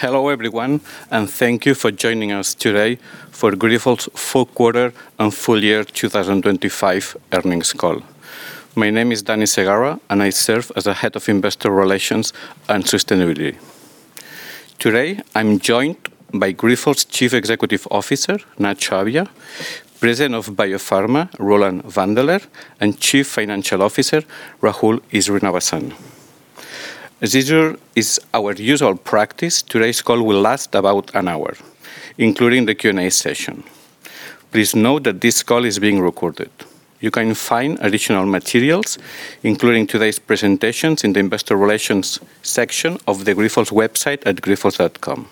Hello, everyone, and thank you for joining us today for Grifols' fourth quarter and full year 2025 earnings call. My name is Dani Segarra, and I serve as the Head of Investor Relations and Sustainability. Today, I'm joined by Grifols' Chief Executive Officer, Nacho Abia, President of Biopharma, Roland Wandeler, and Chief Financial Officer, Rahul Srinivasan. As usual, is our usual practice, today's call will last about an hour, including the Q&A session. Please note that this call is being recorded. You can find additional materials, including today's presentations, in the Investor Relations section of the Grifols website at grifols.com.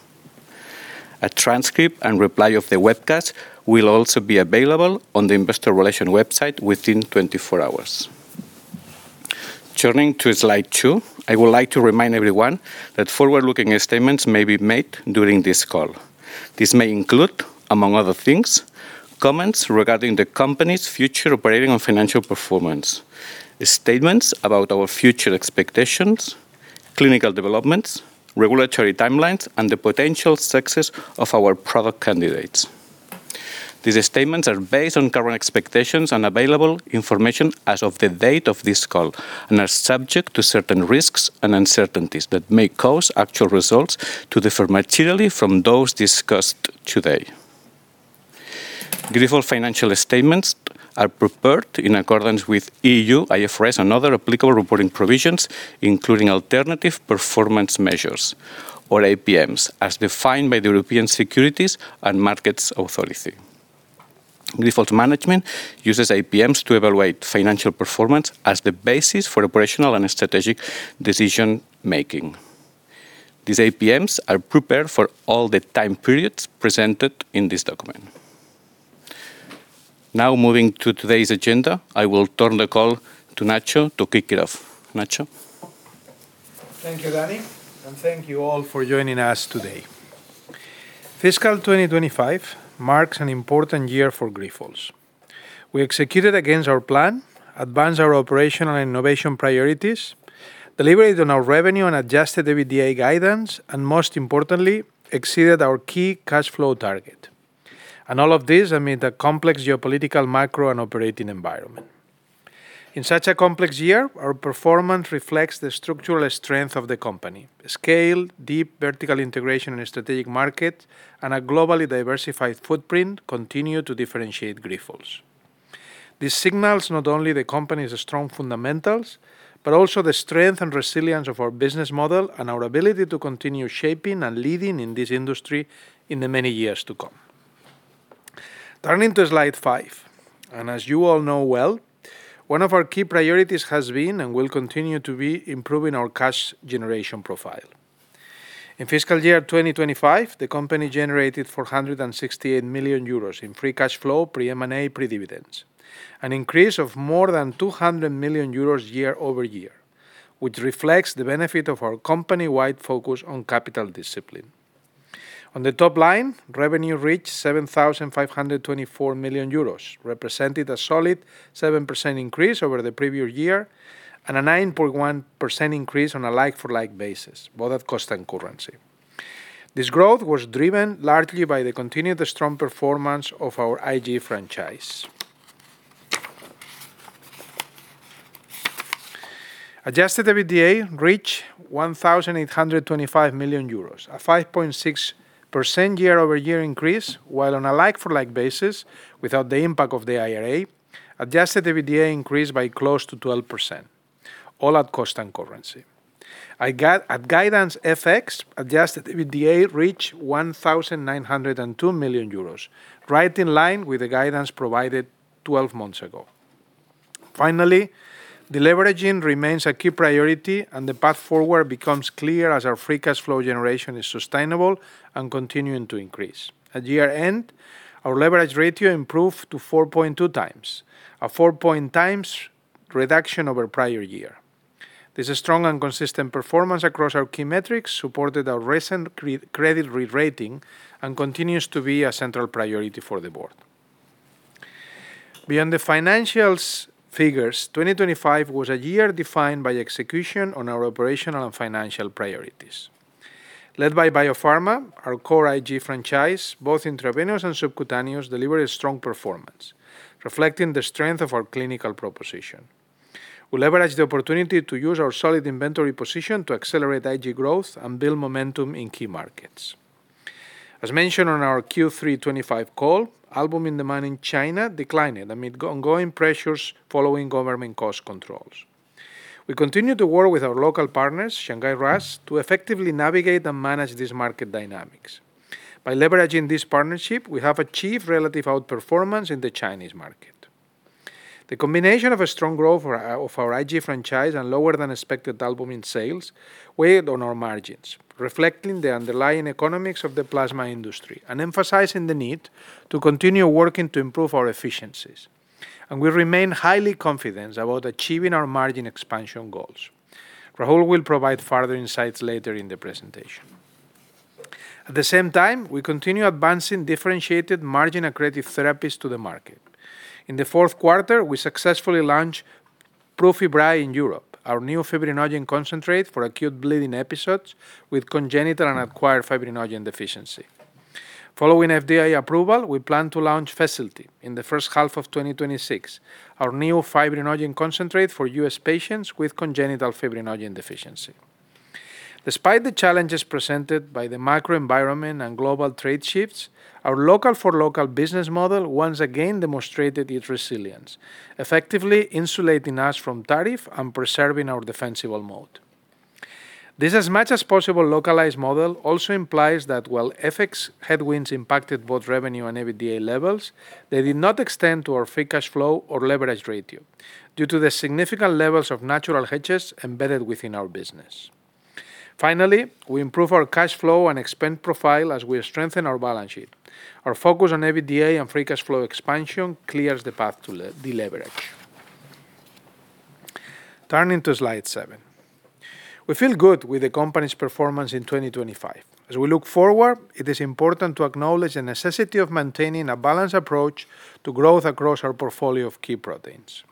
A transcript and replay of the webcast will also be available on the Investor Relations website within 24 hours. Turning to slide two, I would like to remind everyone that forward-looking statements may be made during this call. This may include, among other things, comments regarding the company's future operating and financial performance, statements about our future expectations, clinical developments, regulatory timelines, and the potential success of our product candidates. These statements are based on current expectations and available information as of the date of this call and are subject to certain risks and uncertainties that may cause actual results to differ materially from those discussed today. Grifols' financial statements are prepared in accordance with EU IFRS and other applicable reporting provisions, including alternative performance measures or APMs, as defined by the European Securities and Markets Authority. Grifols' management uses APMs to evaluate financial performance as the basis for operational and strategic decision-making. These APMs are prepared for all the time periods presented in this document. Moving to today's agenda, I will turn the call to Nacho to kick it off. Nacho? Thank you, Dani, and thank you all for joining us today. Fiscal 2025 marks an important year for Grifols. We executed against our plan, advanced our operational and innovation priorities, delivered on our revenue and adjusted EBITDA guidance, and most importantly, exceeded our key cash flow target. All of this amid a complex geopolitical, macro, and operating environment. In such a complex year, our performance reflects the structural strength of the company. Scale, deep vertical integration in a strategic market, and a globally diversified footprint continue to differentiate Grifols. This signals not only the company's strong fundamentals, but also the strength and resilience of our business model and our ability to continue shaping and leading in this industry in the many years to come. Turning to slide five. As you all know well, one of our key priorities has been, and will continue to be, improving our cash generation profile. In fiscal year 2025, the company generated 468 million euros in free cash flow, pre-M&A, pre-dividends, an increase of more than 200 million euros year-over-year, which reflects the benefit of our company-wide focus on capital discipline. On the top line, revenue reached 7,524 million euros, represented a solid 7% increase over the previous year and a 9.1% increase on a like-for-like basis, both at cost and currency. This growth was driven largely by the continued strong performance of our IG franchise. Adjusted EBITDA reached 1,825 million euros, a 5.6% year-over-year increase, while on a like-for-like basis, without the impact of the IRA, adjusted EBITDA increased by close to 12%, all at cost and currency. At guidance FX, adjusted EBITDA reached 1,902 million euros, right in line with the guidance provided 12 months ago. Deleveraging remains a key priority, and the path forward becomes clear as our free cash flow generation is sustainable and continuing to increase. At year-end, our leverage ratio improved to 4.2x, a 4.x reduction over prior year. This strong and consistent performance across our key metrics supported our recent credit rerating and continues to be a central priority for the board. Beyond the financials figures, 2025 was a year defined by execution on our operational and financial priorities. Led by Biopharma, our core IG franchise, both intravenous and subcutaneous, delivered a strong performance, reflecting the strength of our clinical proposition. We leveraged the opportunity to use our solid inventory position to accelerate IG growth and build momentum in key markets. As mentioned on our Q3 2025 call, albumin demand in China declined amid ongoing pressures following government cost controls. We continue to work with our local partners, Shanghai RAAS, to effectively navigate and manage these market dynamics. By leveraging this partnership, we have achieved relative outperformance in the Chinese market. The combination of a strong growth for our, of our IG franchise and lower-than-expected albumin sales weighed on our margins, reflecting the underlying economics of the plasma industry and emphasizing the need to continue working to improve our efficiencies. We remain highly confident about achieving our margin expansion goals. Rahul will provide further insights later in the presentation. At the same time, we continue advancing differentiated margin-accretive therapies to the market. In the fourth quarter, we successfully launched Prufibry in Europe, our new fibrinogen concentrate for acute bleeding episodes with congenital and acquired fibrinogen deficiency. Following FDA approval, we plan to launch FESILTY in the first half of 2026, our new fibrinogen concentrate for U.S. patients with congenital fibrinogen deficiency. Despite the challenges presented by the macro environment and global trade shifts, our local-for-local business model once again demonstrated its resilience, effectively insulating us from tariff and preserving our defensible moat. This as-much-as-possible localized model also implies that while FX headwinds impacted both revenue and EBITDA levels, they did not extend to our free cash flow or leverage ratio due to the significant levels of natural hedges embedded within our business. We improve our cash flow and expense profile as we strengthen our balance sheet. Our focus on EBITDA and free cash flow expansion clears the path to deleverage. Turning to slide seven. We feel good with the company's performance in 2025. As we look forward, it is important to acknowledge the necessity of maintaining a balanced approach to growth across our portfolio of key proteins.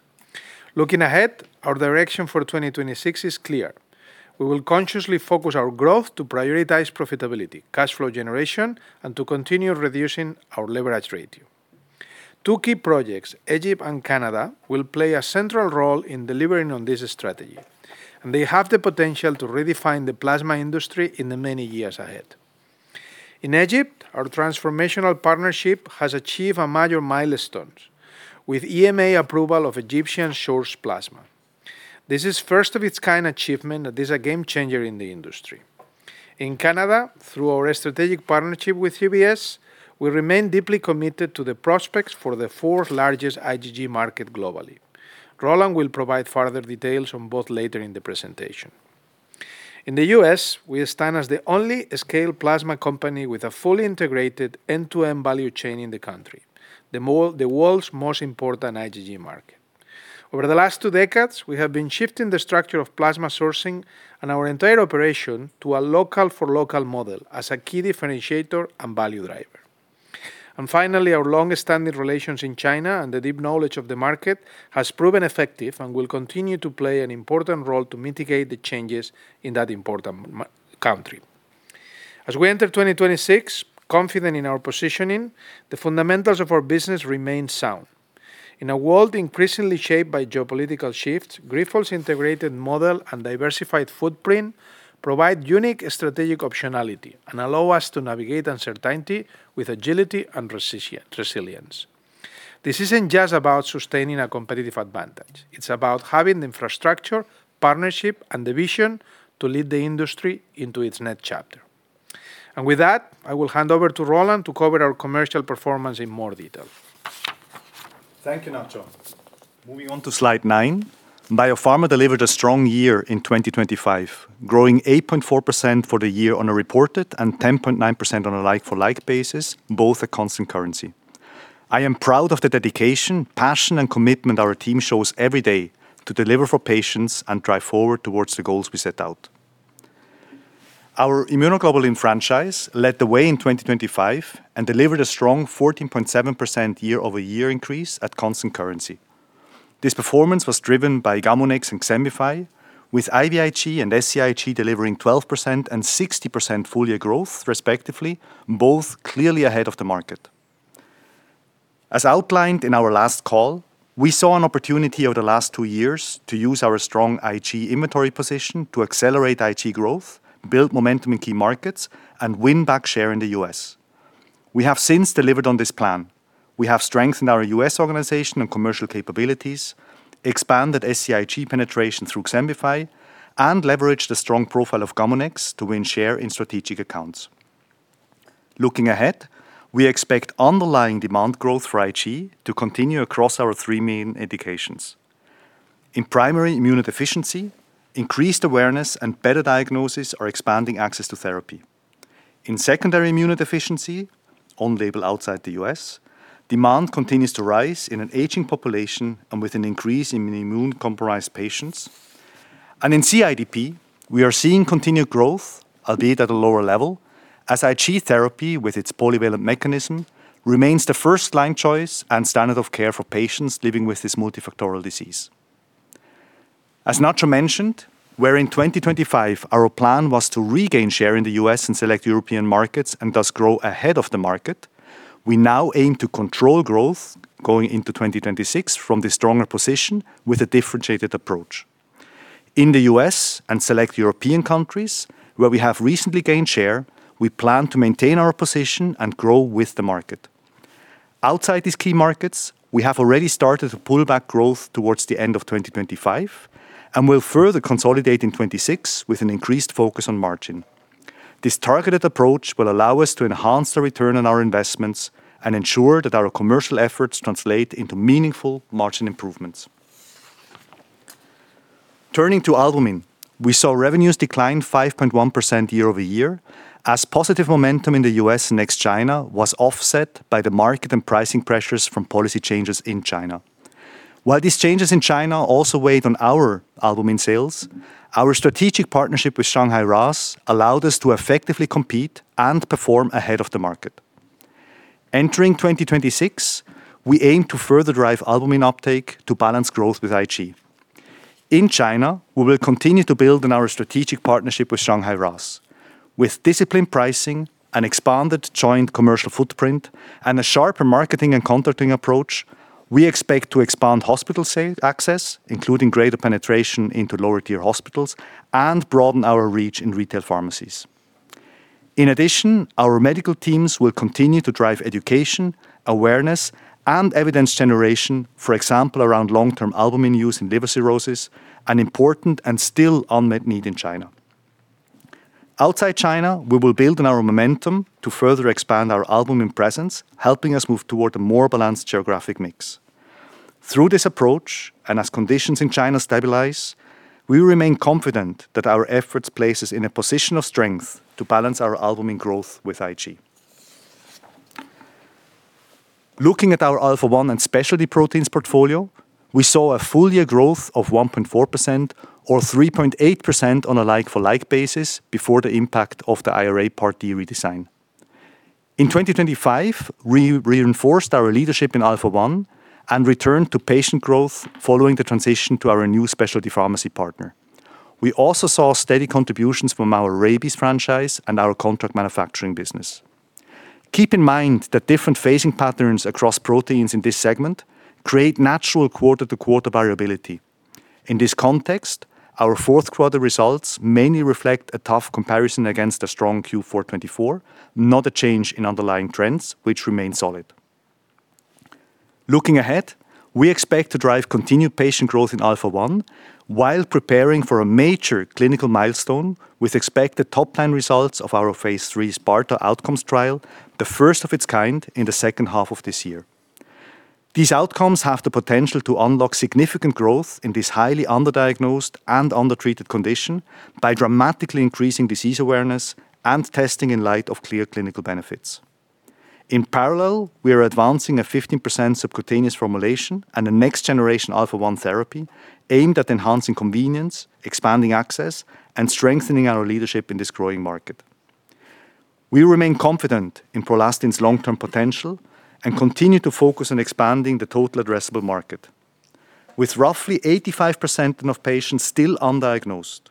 Looking ahead, our direction for 2026 is clear. We will consciously focus our growth to prioritize profitability, cash flow generation, and to continue reducing our leverage ratio. Two key projects, Egypt and Canada, will play a central role in delivering on this strategy, and they have the potential to redefine the plasma industry in the many years ahead. In Egypt, our transformational partnership has achieved a major milestone with EMA approval of Egyptian-sourced plasma. This is first of its kind achievement that is a game-changer in the industry. In Canada, through our strategic partnership with CBS, we remain deeply committed to the prospects for the fourth-largest IgG market globally. Roland will provide further details on both later in the presentation. In the U.S., we stand as the only scale plasma company with a fully integrated end-to-end value chain in the country, the world's most important IgG market. Over the last two decades, we have been shifting the structure of plasma sourcing and our entire operation to a local-for-local model as a key differentiator and value driver. Finally, our long-standing relations in China and the deep knowledge of the market has proven effective and will continue to play an important role to mitigate the changes in that important country. As we enter 2026, confident in our positioning, the fundamentals of our business remain sound. In a world increasingly shaped by geopolitical shifts, Grifols' integrated model and diversified footprint provide unique strategic optionality and allow us to navigate uncertainty with agility and resilience. This isn't just about sustaining a competitive advantage. It's about having the infrastructure, partnership, and the vision to lead the industry into its next chapter. With that, I will hand over to Roland to cover our commercial performance in more detail. Thank you, Nacho. Moving on to slide nine, Biopharma delivered a strong year in 2025, growing 8.4% for the year on a reported and 10.9% on a like-for-like basis, both at constant currency. I am proud of the dedication, passion, and commitment our team shows every day to deliver for patients and drive forward towards the goals we set out. Our immunoglobulin franchise led the way in 2025 and delivered a strong 14.7% year-over-year increase at constant currency. This performance was driven by GAMUNEX-C and XEMBIFY, with IVIG and SCIG delivering 12% and 60% full-year growth, respectively, both clearly ahead of the market. As outlined in our last call, we saw an opportunity over the last two years to use our strong IG inventory position to accelerate IG growth, build momentum in key markets, and win back share in the U.S. We have since delivered on this plan. We have strengthened our U.S. organization and commercial capabilities, expanded SCIG penetration through XEMBIFY, and leveraged the strong profile of GAMUNEX-C to win share in strategic accounts. Looking ahead, we expect underlying demand growth for IG to continue across our three main indications. In primary immunodeficiency, increased awareness and better diagnosis are expanding access to therapy. In secondary immunodeficiency, on-label outside the U.S., demand continues to rise in an aging population and with an increase in immune-compromised patients. In CIDP, we are seeing continued growth, albeit at a lower level, as IG therapy, with its polyvalent mechanism, remains the first-line choice and standard of care for patients living with this multifactorial disease. As Nacho mentioned, where in 2025, our plan was to regain share in the U.S. and select European markets and thus grow ahead of the market, we now aim to control growth going into 2026 from the stronger position with a differentiated approach. In the U.S. and select European countries, where we have recently gained share, we plan to maintain our position and grow with the market. Outside these key markets, we have already started to pull back growth towards the end of 2025 and will further consolidate in 2026 with an increased focus on margin. This targeted approach will allow us to enhance the return on our investments and ensure that our commercial efforts translate into meaningful margin improvements. Turning to albumin, we saw revenues decline 5.1% year-over-year, as positive momentum in the U.S. and ex-China was offset by the market and pricing pressures from policy changes in China. While these changes in China also weighed on our albumin sales, our strategic partnership with Shanghai RAAS allowed us to effectively compete and perform ahead of the market. Entering 2026, we aim to further drive albumin uptake to balance growth with IG. In China, we will continue to build on our strategic partnership with Shanghai RAAS. With disciplined pricing and expanded joint commercial footprint and a sharper marketing and contracting approach, we expect to expand hospital sale access, including greater penetration into lower-tier hospitals, and broaden our reach in retail pharmacies. In addition, our medical teams will continue to drive education, awareness, and evidence generation, for example, around long-term albumin use in liver cirrhosis, an important and still unmet need in China. Outside China, we will build on our momentum to further expand our albumin presence, helping us move toward a more balanced geographic mix. Through this approach, and as conditions in China stabilize, we remain confident that our efforts place us in a position of strength to balance our albumin growth with IG. Looking at our Alpha-1 and specialty proteins portfolio, we saw a full year growth of 1.4% or 3.8% on a like-for-like basis before the impact of the IRA Part D redesign. In 2025, we reinforced our leadership in Alpha-1 and returned to patient growth following the transition to our new specialty pharmacy partner. We also saw steady contributions from our rabies franchise and our contract manufacturing business. Keep in mind that different phasing patterns across proteins in this segment create natural quarter-to-quarter variability. In this context, our fourth quarter results mainly reflect a tough comparison against a strong Q4 2024, not a change in underlying trends, which remain solid. Looking ahead, we expect to drive continued patient growth in Alpha-1 while preparing for a major clinical milestone with expected top-line results of our phase III SPARTA outcomes trial, the first of its kind in the second half of this year. These outcomes have the potential to unlock significant growth in this highly underdiagnosed and undertreated condition by dramatically increasing disease awareness and testing in light of clear clinical benefits. In parallel, we are advancing a 15% subcutaneous formulation and a next-generation Alpha-1 therapy aimed at enhancing convenience, expanding access, and strengthening our leadership in this growing market. We remain confident in PROLASTIN's long-term potential and continue to focus on expanding the total addressable market. With roughly 85% of patients still undiagnosed,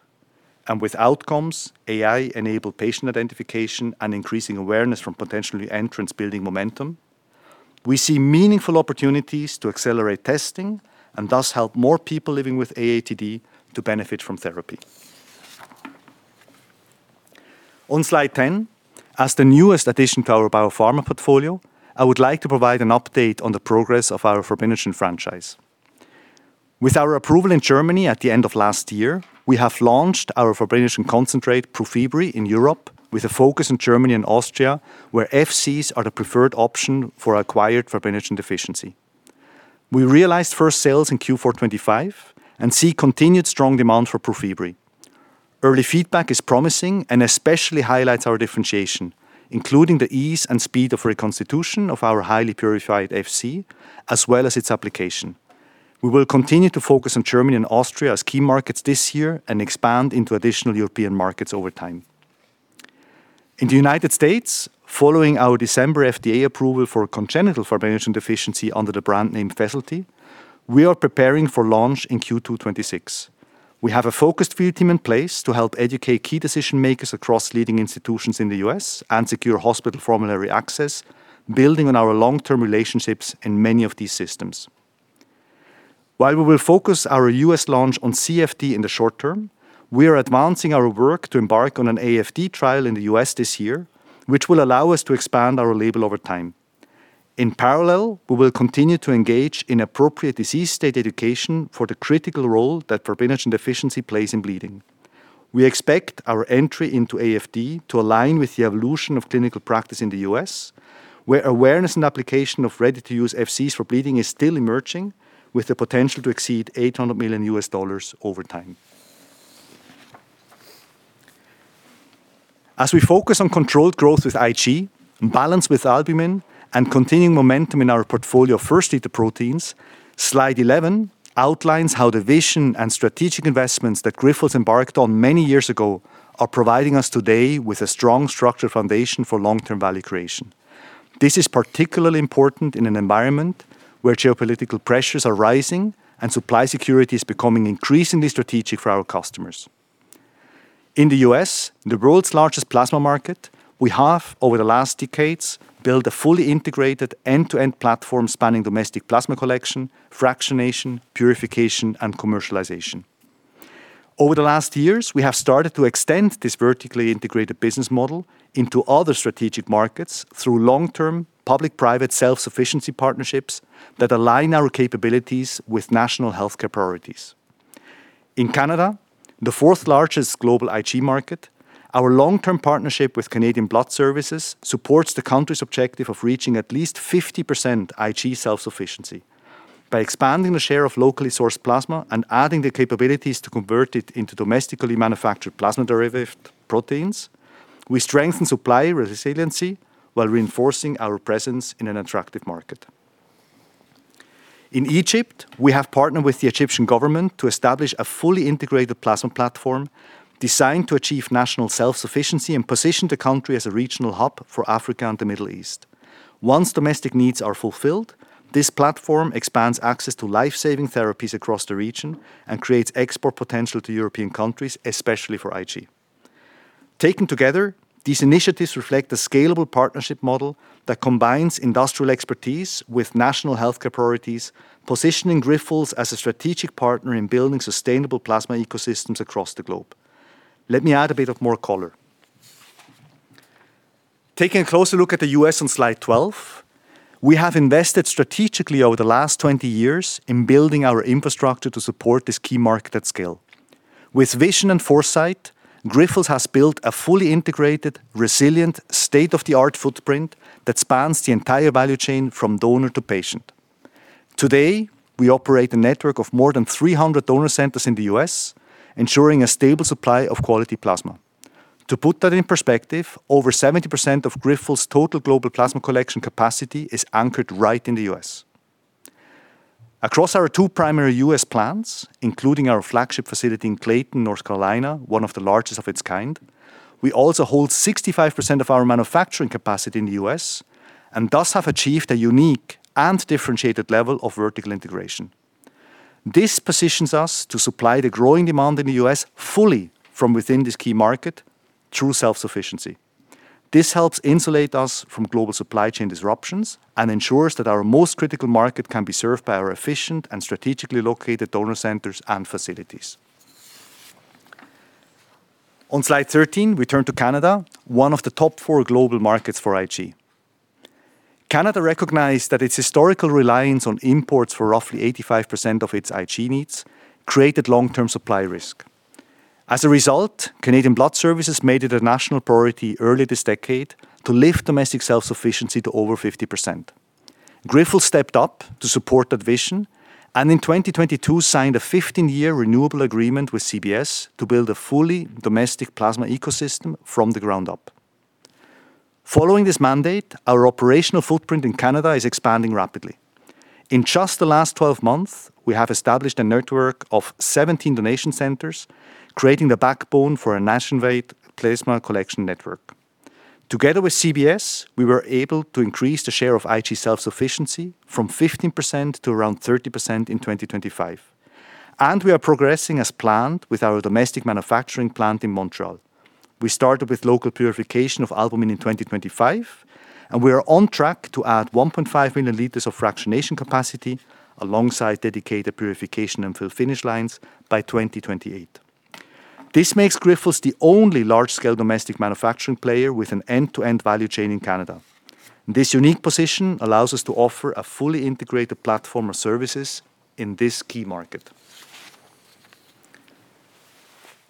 and with outcomes, AI-enabled patient identification, and increasing awareness from potentially entrants building momentum, we see meaningful opportunities to accelerate testing and thus help more people living with AATD to benefit from therapy. On slide 10, as the newest addition to our Biopharma portfolio, I would like to provide an update on the progress of our fibrinogen franchise. With our approval in Germany at the end of last year, we have launched our fibrinogen concentrate, Prufibry, in Europe with a focus in Germany and Austria, where FCs are the preferred option for acquired fibrinogen deficiency. We realized first sales in Q4 '25 and see continued strong demand for Prufibry. Early feedback is promising and especially highlights our differentiation, including the ease and speed of reconstitution of our highly purified FC, as well as its application. We will continue to focus on Germany and Austria as key markets this year and expand into additional European markets over time. In the United States, following our December FDA approval for congenital fibrinogen deficiency under the brand name FESILTY, we are preparing for launch in Q2 '26. We have a focused field team in place to help educate key decision-makers across leading institutions in the U.S. and secure hospital formulary access, building on our long-term relationships in many of these systems. While we will focus our U.S. launch on CFD in the short term, we are advancing our work to embark on an AFD trial in the U.S. this year, which will allow us to expand our label over time. In parallel, we will continue to engage in appropriate disease state education for the critical role that fibrinogen deficiency plays in bleeding. We expect our entry into AFD to align with the evolution of clinical practice in the U.S., where awareness and application of ready-to-use FCs for bleeding is still emerging, with the potential to exceed $800 million U.S. dollars over time. As we focus on controlled growth with IG, balance with albumin, and continuing momentum in our portfolio of first data proteins, slide 11 outlines how the vision and strategic investments that Grifols embarked on many years ago are providing us today with a strong, structured foundation for long-term value creation. This is particularly important in an environment where geopolitical pressures are rising and supply security is becoming increasingly strategic for our customers. In the U.S., the world's largest plasma market, we have, over the last decades, built a fully integrated end-to-end platform spanning domestic plasma collection, fractionation, purification, and commercialization. Over the last years, we have started to extend this vertically integrated business model into other strategic markets through long-term public-private self-sufficiency partnerships that align our capabilities with national healthcare priorities. In Canada, the fourth-largest global IG market, our long-term partnership with Canadian Blood Services supports the country's objective of reaching at least 50% IG self-sufficiency. By expanding the share of locally sourced plasma and adding the capabilities to convert it into domestically manufactured plasma-derived proteins, we strengthen supply resiliency while reinforcing our presence in an attractive market. In Egypt, we have partnered with the Egyptian government to establish a fully integrated plasma platform designed to achieve national self-sufficiency and position the country as a regional hub for Africa and the Middle East. Once domestic needs are fulfilled, this platform expands access to life-saving therapies across the region and creates export potential to European countries, especially for IG. Taken together, these initiatives reflect the scalable partnership model that combines industrial expertise with national healthcare priorities, positioning Grifols as a strategic partner in building sustainable plasma ecosystems across the globe. Let me add a bit of more color. Taking a closer look at the U.S. on slide 12, we have invested strategically over the last 20 years in building our infrastructure to support this key market at scale. With vision and foresight, Grifols has built a fully integrated, resilient, state-of-the-art footprint that spans the entire value chain from donor to patient. Today, we operate a network of more than 300 donor centers in the U.S., ensuring a stable supply of quality plasma. To put that in perspective, over 70% of Grifols' total global plasma collection capacity is anchored right in the U.S. Across our two primary U.S. plants, including our flagship facility in Clayton, North Carolina, one of the largest of its kind, we also hold 65% of our manufacturing capacity in the U.S. and thus have achieved a unique and differentiated level of vertical integration. This positions us to supply the growing demand in the U.S. fully from within this key market through self-sufficiency. This helps insulate us from global supply chain disruptions and ensures that our most critical market can be served by our efficient and strategically located donor centers and facilities. On slide 13, we turn to Canada, one of the top four global markets for IG. Canada recognized that its historical reliance on imports for roughly 85% of its IG needs created long-term supply risk. As a result, Canadian Blood Services made it a national priority early this decade to lift domestic self-sufficiency to over 50%. Grifols stepped up to support that vision, and in 2022, signed a 15-year renewable agreement with CBS to build a fully domestic plasma ecosystem from the ground up. Following this mandate, our operational footprint in Canada is expanding rapidly. In just the last 12 months, we have established a network of 17 donation centers, creating the backbone for a nationwide plasma collection network. Together with CBS, we were able to increase the share of IG self-sufficiency from 15% to around 30% in 2025, and we are progressing as planned with our domestic manufacturing plant in Montreal. We started with local purification of albumin in 2025, and we are on track to add 1.5 million liters of fractionation capacity alongside dedicated purification and fill finish lines by 2028. This makes Grifols the only large-scale domestic manufacturing player with an end-to-end value chain in Canada. This unique position allows us to offer a fully integrated platform of services in this key market.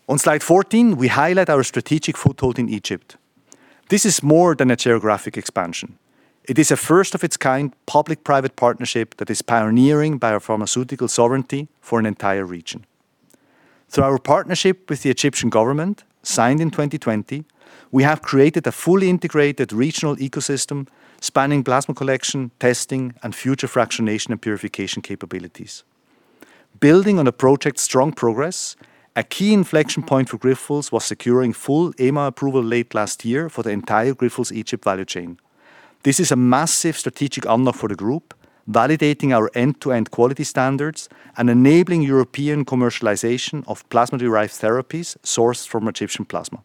On slide 14, we highlight our strategic foothold in Egypt. This is more than a geographic expansion. It is a first-of-its-kind public-private partnership that is pioneering biopharmaceutical sovereignty for an entire region. Through our partnership with the Egyptian government, signed in 2020, we have created a fully integrated regional ecosystem spanning plasma collection, testing, and future fractionation and purification capabilities. Building on the project's strong progress, a key inflection point for Grifols was securing full EMA approval late last year for the entire Grifols Egypt value chain. This is a massive strategic unlock for the group, validating our end-to-end quality standards and enabling European commercialization of plasma-derived therapies sourced from Egyptian plasma.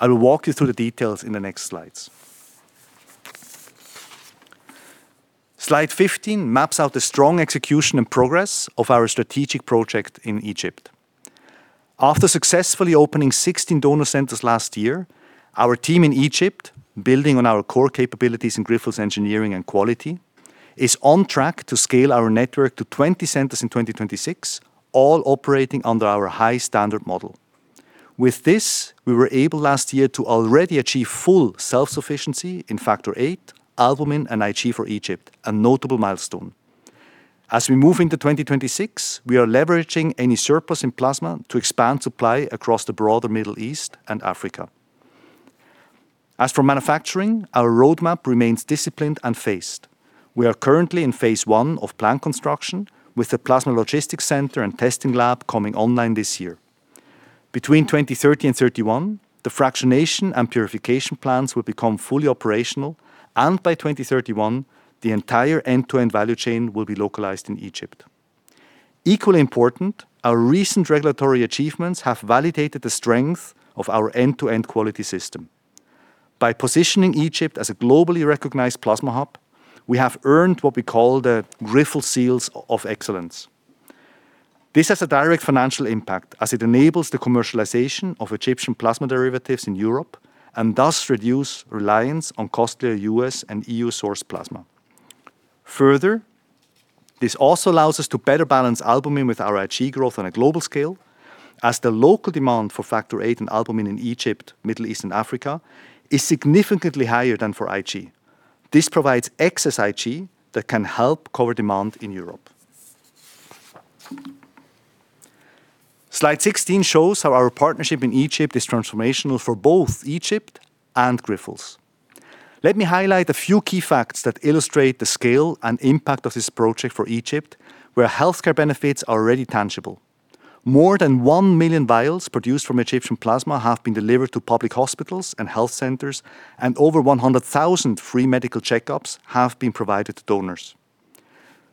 I will walk you through the details in the next slides. Slide 15 maps out the strong execution and progress of our strategic project in Egypt. After successfully opening 16 donor centers last year, our team in Egypt, building on our core capabilities in Grifols Engineering and quality, is on track to scale our network to 20 centers in 2026, all operating under our high-standard model. With this, we were able last year to already achieve full self-sufficiency in factor VIII, albumin, and IG for Egypt, a notable milestone. We move into 2026, we are leveraging any surplus in plasma to expand supply across the broader Middle East and Africa. For manufacturing, our roadmap remains disciplined and phased. We are currently in phase I of plant construction, with the plasma logistics center and testing lab coming online this year. Between 2030 and 2031, the fractionation and purification plants will become fully operational, and by 2031, the entire end-to-end value chain will be localized in Egypt. Equally important, our recent regulatory achievements have validated the strength of our end-to-end quality system. By positioning Egypt as a globally recognized plasma hub, we have earned what we call the Grifols Seals of Excellence. This has a direct financial impact as it enables the commercialization of Egyptian plasma derivatives in Europe and thus reduce reliance on costlier U.S. and EU-sourced plasma. Further, this also allows us to better balance albumin with our IG growth on a global scale, as the local demand for factor VIII and albumin in Egypt, Middle East, and Africa is significantly higher than for IG. This provides excess IG that can help cover demand in Europe. Slide 16 shows how our partnership in Egypt is transformational for both Egypt and Grifols. Let me highlight a few key facts that illustrate the scale and impact of this project for Egypt, where healthcare benefits are already tangible. More than 1 million vials produced from Egyptian plasma have been delivered to public hospitals and health centers, and over 100,000 free medical checkups have been provided to donors.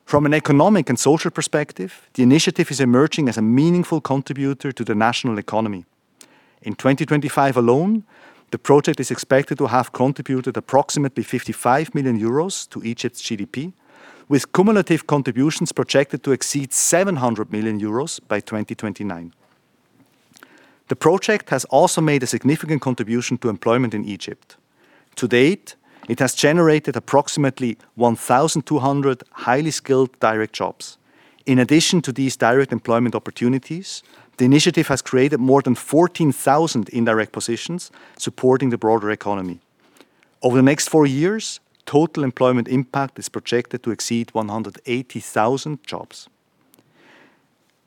From an economic and social perspective, the initiative is emerging as a meaningful contributor to the national economy. In 2025 alone, the project is expected to have contributed approximately 55 million euros to Egypt's GDP, with cumulative contributions projected to exceed 700 million euros by 2029. The project has also made a significant contribution to employment in Egypt. To date, it has generated approximately 1,200 highly skilled direct jobs. In addition to these direct employment opportunities, the initiative has created more than 14,000 indirect positions supporting the broader economy. Over the next four years, total employment impact is projected to exceed 180,000 jobs.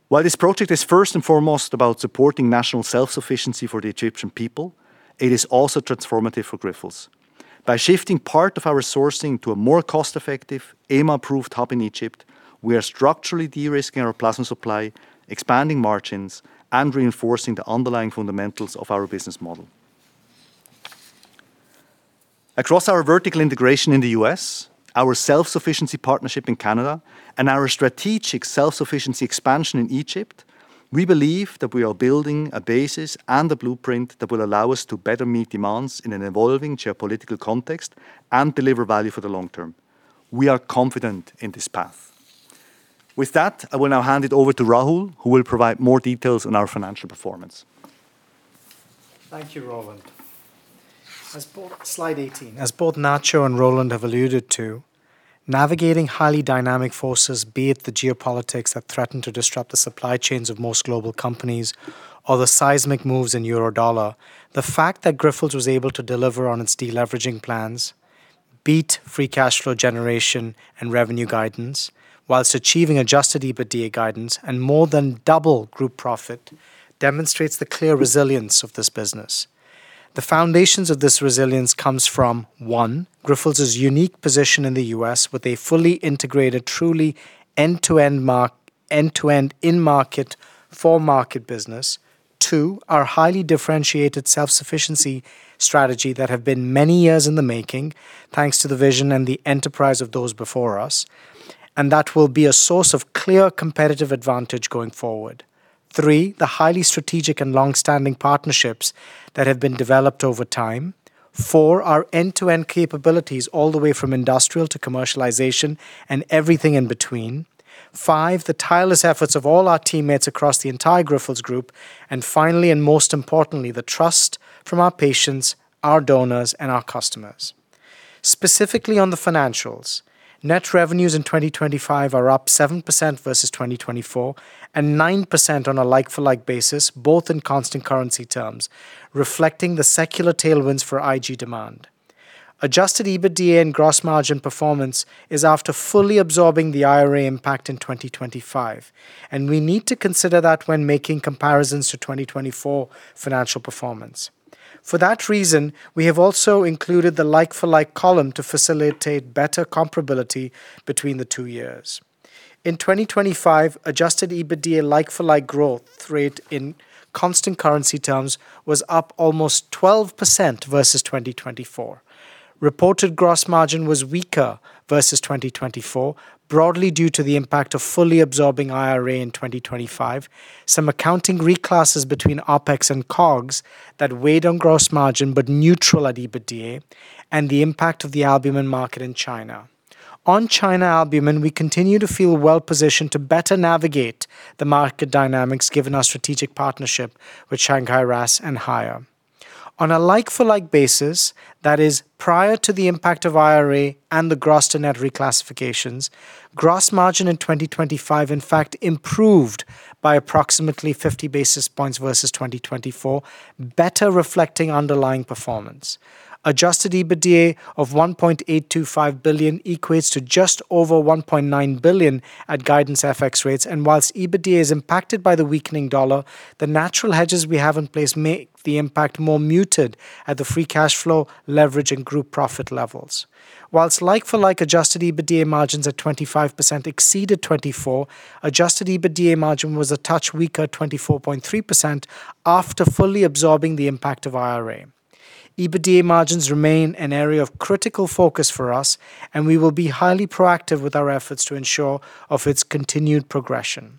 While this project is first and foremost about supporting national self-sufficiency for the Egyptian people, it is also transformative for Grifols. By shifting part of our sourcing to a more cost-effective, EMA-approved hub in Egypt, we are structurally de-risking our plasma supply, expanding margins, and reinforcing the underlying fundamentals of our business model. Across our vertical integration in the U.S., our self-sufficiency partnership in Canada, and our strategic self-sufficiency expansion in Egypt, we believe that we are building a basis and a blueprint that will allow us to better meet demands in an evolving geopolitical context and deliver value for the long term. We are confident in this path. With that, I will now hand it over to Rahul, who will provide more details on our financial performance. Thank you, Roland. Slide 18. As both Nacho and Roland have alluded to, navigating highly dynamic forces, be it the geopolitics that threaten to disrupt the supply chains of most global companies or the seismic moves in euro dollar, the fact that Grifols was able to deliver on its deleveraging plans, beat free cash flow generation and revenue guidance while achieving adjusted EBITDA guidance and more than double Group profit, demonstrates the clear resilience of this business. The foundations of this resilience come from. One, Grifols' unique position in the U.S. with a fully integrated, truly end-to-end in-market for market business. Two, our highly differentiated self-sufficiency strategy that has been many years in the making, thanks to the vision and the enterprise of those before us, and that will be a source of clear competitive advantage going forward. Three, the highly strategic and long-standing partnerships that have been developed over time. Four, our end-to-end capabilities all the way from industrial to commercialization and everything in between. Five, the tireless efforts of all our teammates across the entire Grifols Group. Finally, and most importantly, the trust from our patients, our donors, and our customers. Specifically on the financials, net revenues in 2025 are up 7% versus 2024, and 9% on a like-for-like basis, both in constant currency terms, reflecting the secular tailwinds for IG demand. Adjusted EBITDA and gross margin performance is after fully absorbing the IRA impact in 2025, and we need to consider that when making comparisons to 2024 financial performance. For that reason, we have also included the like-for-like column to facilitate better comparability between the two years. In 2025, adjusted EBITDA like-for-like growth rate in constant currency terms was up almost 12% versus 2024. Reported gross margin was weaker versus 2024, broadly due to the impact of fully absorbing IRA in 2025, some accounting reclasses between OPEX and COGS that weighed on gross margin, but neutral at EBITDA, and the impact of the albumin market in China. On China albumin, we continue to feel well positioned to better navigate the market dynamics, given our strategic partnership with Shanghai RAAS and Haier. On a like-for-like basis, that is, prior to the impact of IRA and the gross to net reclassifications, gross margin in 2025 in fact improved by approximately 50 basis points versus 2024, better reflecting underlying performance. Adjusted EBITDA of 1.825 billion equates to just over 1.9 billion at guidance FX rates. Whilst EBITDA is impacted by the weakening dollar, the natural hedges we have in place make the impact more muted at the free cash flow, leverage, and group profit levels. Whilst like-for-like adjusted EBITDA margins at 25% exceeded 24%, adjusted EBITDA margin was a touch weaker, 24.3%, after fully absorbing the impact of IRA. EBITDA margins remain an area of critical focus for us, and we will be highly proactive with our efforts to ensure of its continued progression.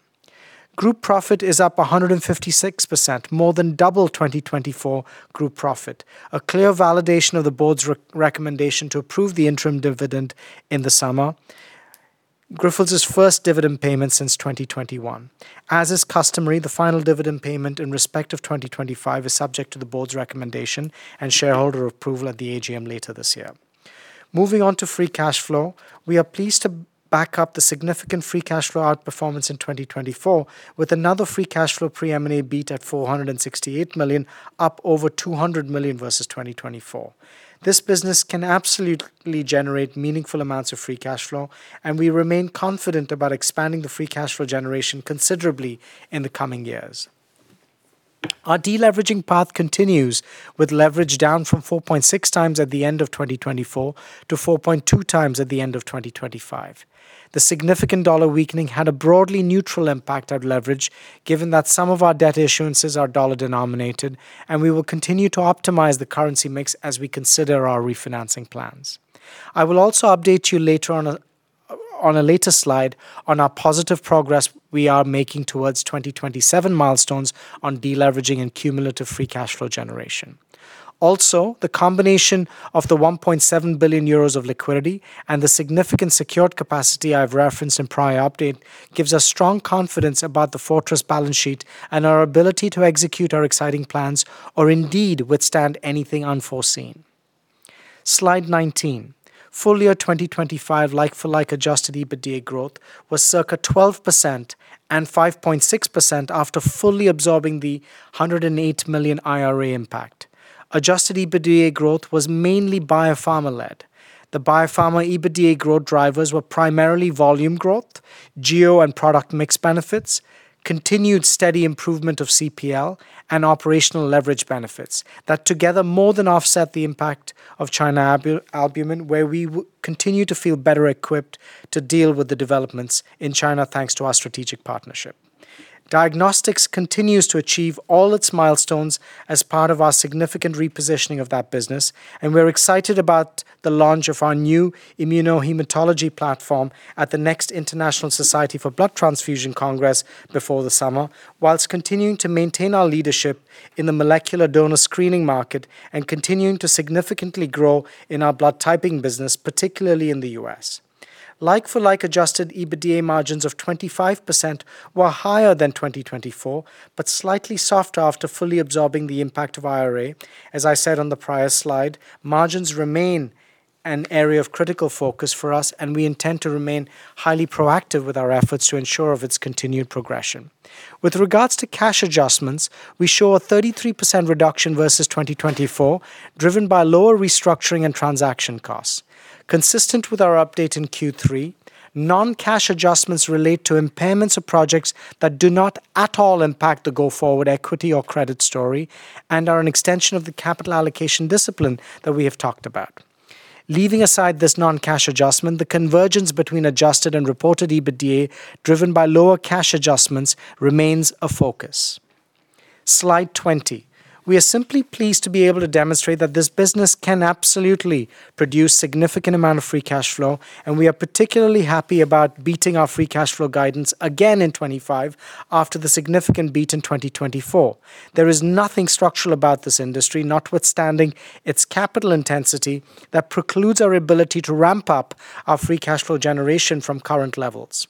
Group profit is up 156%, more than double 2024 group profit, a clear validation of the board's recommendation to approve the interim dividend in the summer, Grifols' first dividend payment since 2021. As is customary, the final dividend payment in respect of 2025 is subject to the board's recommendation and shareholder approval at the AGM later this year. Moving on to free cash flow. We are pleased to back up the significant free cash flow outperformance in 2024 with another free cash flow pre-M&A beat at 468 million, up over 200 million versus 2024. This business can absolutely generate meaningful amounts of free cash flow, we remain confident about expanding the free cash flow generation considerably in the coming years. Our deleveraging path continues with leverage down from 4.6x at the end of 2024 to 4.2x at the end of 2025. The significant dollar weakening had a broadly neutral impact on leverage, given that some of our debt issuances are dollar-denominated, we will continue to optimize the currency mix as we consider our refinancing plans. I will also update you later on a later slide on our positive progress we are making towards 2027 milestones on deleveraging and cumulative free cash flow generation. The combination of the 1.7 billion euros of liquidity and the significant secured capacity I've referenced in prior update, gives us strong confidence about the Fortress balance sheet and our ability to execute our exciting plans or indeed, withstand anything unforeseen. Slide 19. Full year 2025, like-for-like adjusted EBITDA growth was circa 12% and 5.6% after fully absorbing the 108 million IRA impact. Adjusted EBITDA growth was mainly Biopharma-led. The Biopharma EBITDA growth drivers were primarily volume growth, geo and product mix benefits, continued steady improvement of CPL, and operational leverage benefits that together more than offset the impact of China albumin, where we continue to feel better equipped to deal with the developments in China, thanks to our strategic partnership. Diagnostic continues to achieve all its milestones as part of our significant repositioning of that business. We're excited about the launch of our new immunohematology platform at the next International Society of Blood Transfusion Congress before the summer, while continuing to maintain our leadership in the molecular donor screening market and continuing to significantly grow in our blood typing business, particularly in the U.S. Like-for-like adjusted EBITDA margins of 25% were higher than 2024. Slightly softer after fully absorbing the impact of IRA. As I said on the prior slide, margins remain an area of critical focus for us, and we intend to remain highly proactive with our efforts to ensure of its continued progression. With regards to cash adjustments, we show a 33% reduction versus 2024, driven by lower restructuring and transaction costs. Consistent with our update in Q3, non-cash adjustments relate to impairments of projects that do not at all impact the go-forward equity or credit story and are an extension of the capital allocation discipline that we have talked about. Leaving aside this non-cash adjustment, the convergence between adjusted and reported EBITDA, driven by lower cash adjustments, remains a focus. Slide 20. We are simply pleased to be able to demonstrate that this business can absolutely produce significant amount of free cash flow. We are particularly happy about beating our free cash flow guidance again in 2025 after the significant beat in 2024. There is nothing structural about this industry, notwithstanding its capital intensity, that precludes our ability to ramp up our free cash flow generation from current levels.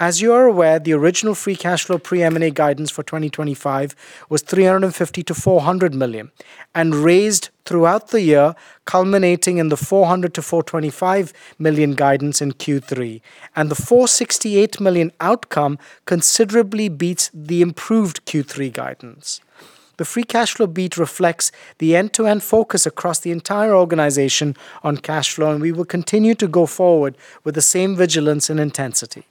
As you are aware, the original free cash flow pre-M&A guidance for 2025 was 350 million-400 million, and raised throughout the year, culminating in the 400 million-425 million guidance in Q3, and the 468 million outcome considerably beats the improved Q3 guidance. The free cash flow beat reflects the end-to-end focus across the entire organization on cash flow, and we will continue to go forward with the same vigilance and intensity.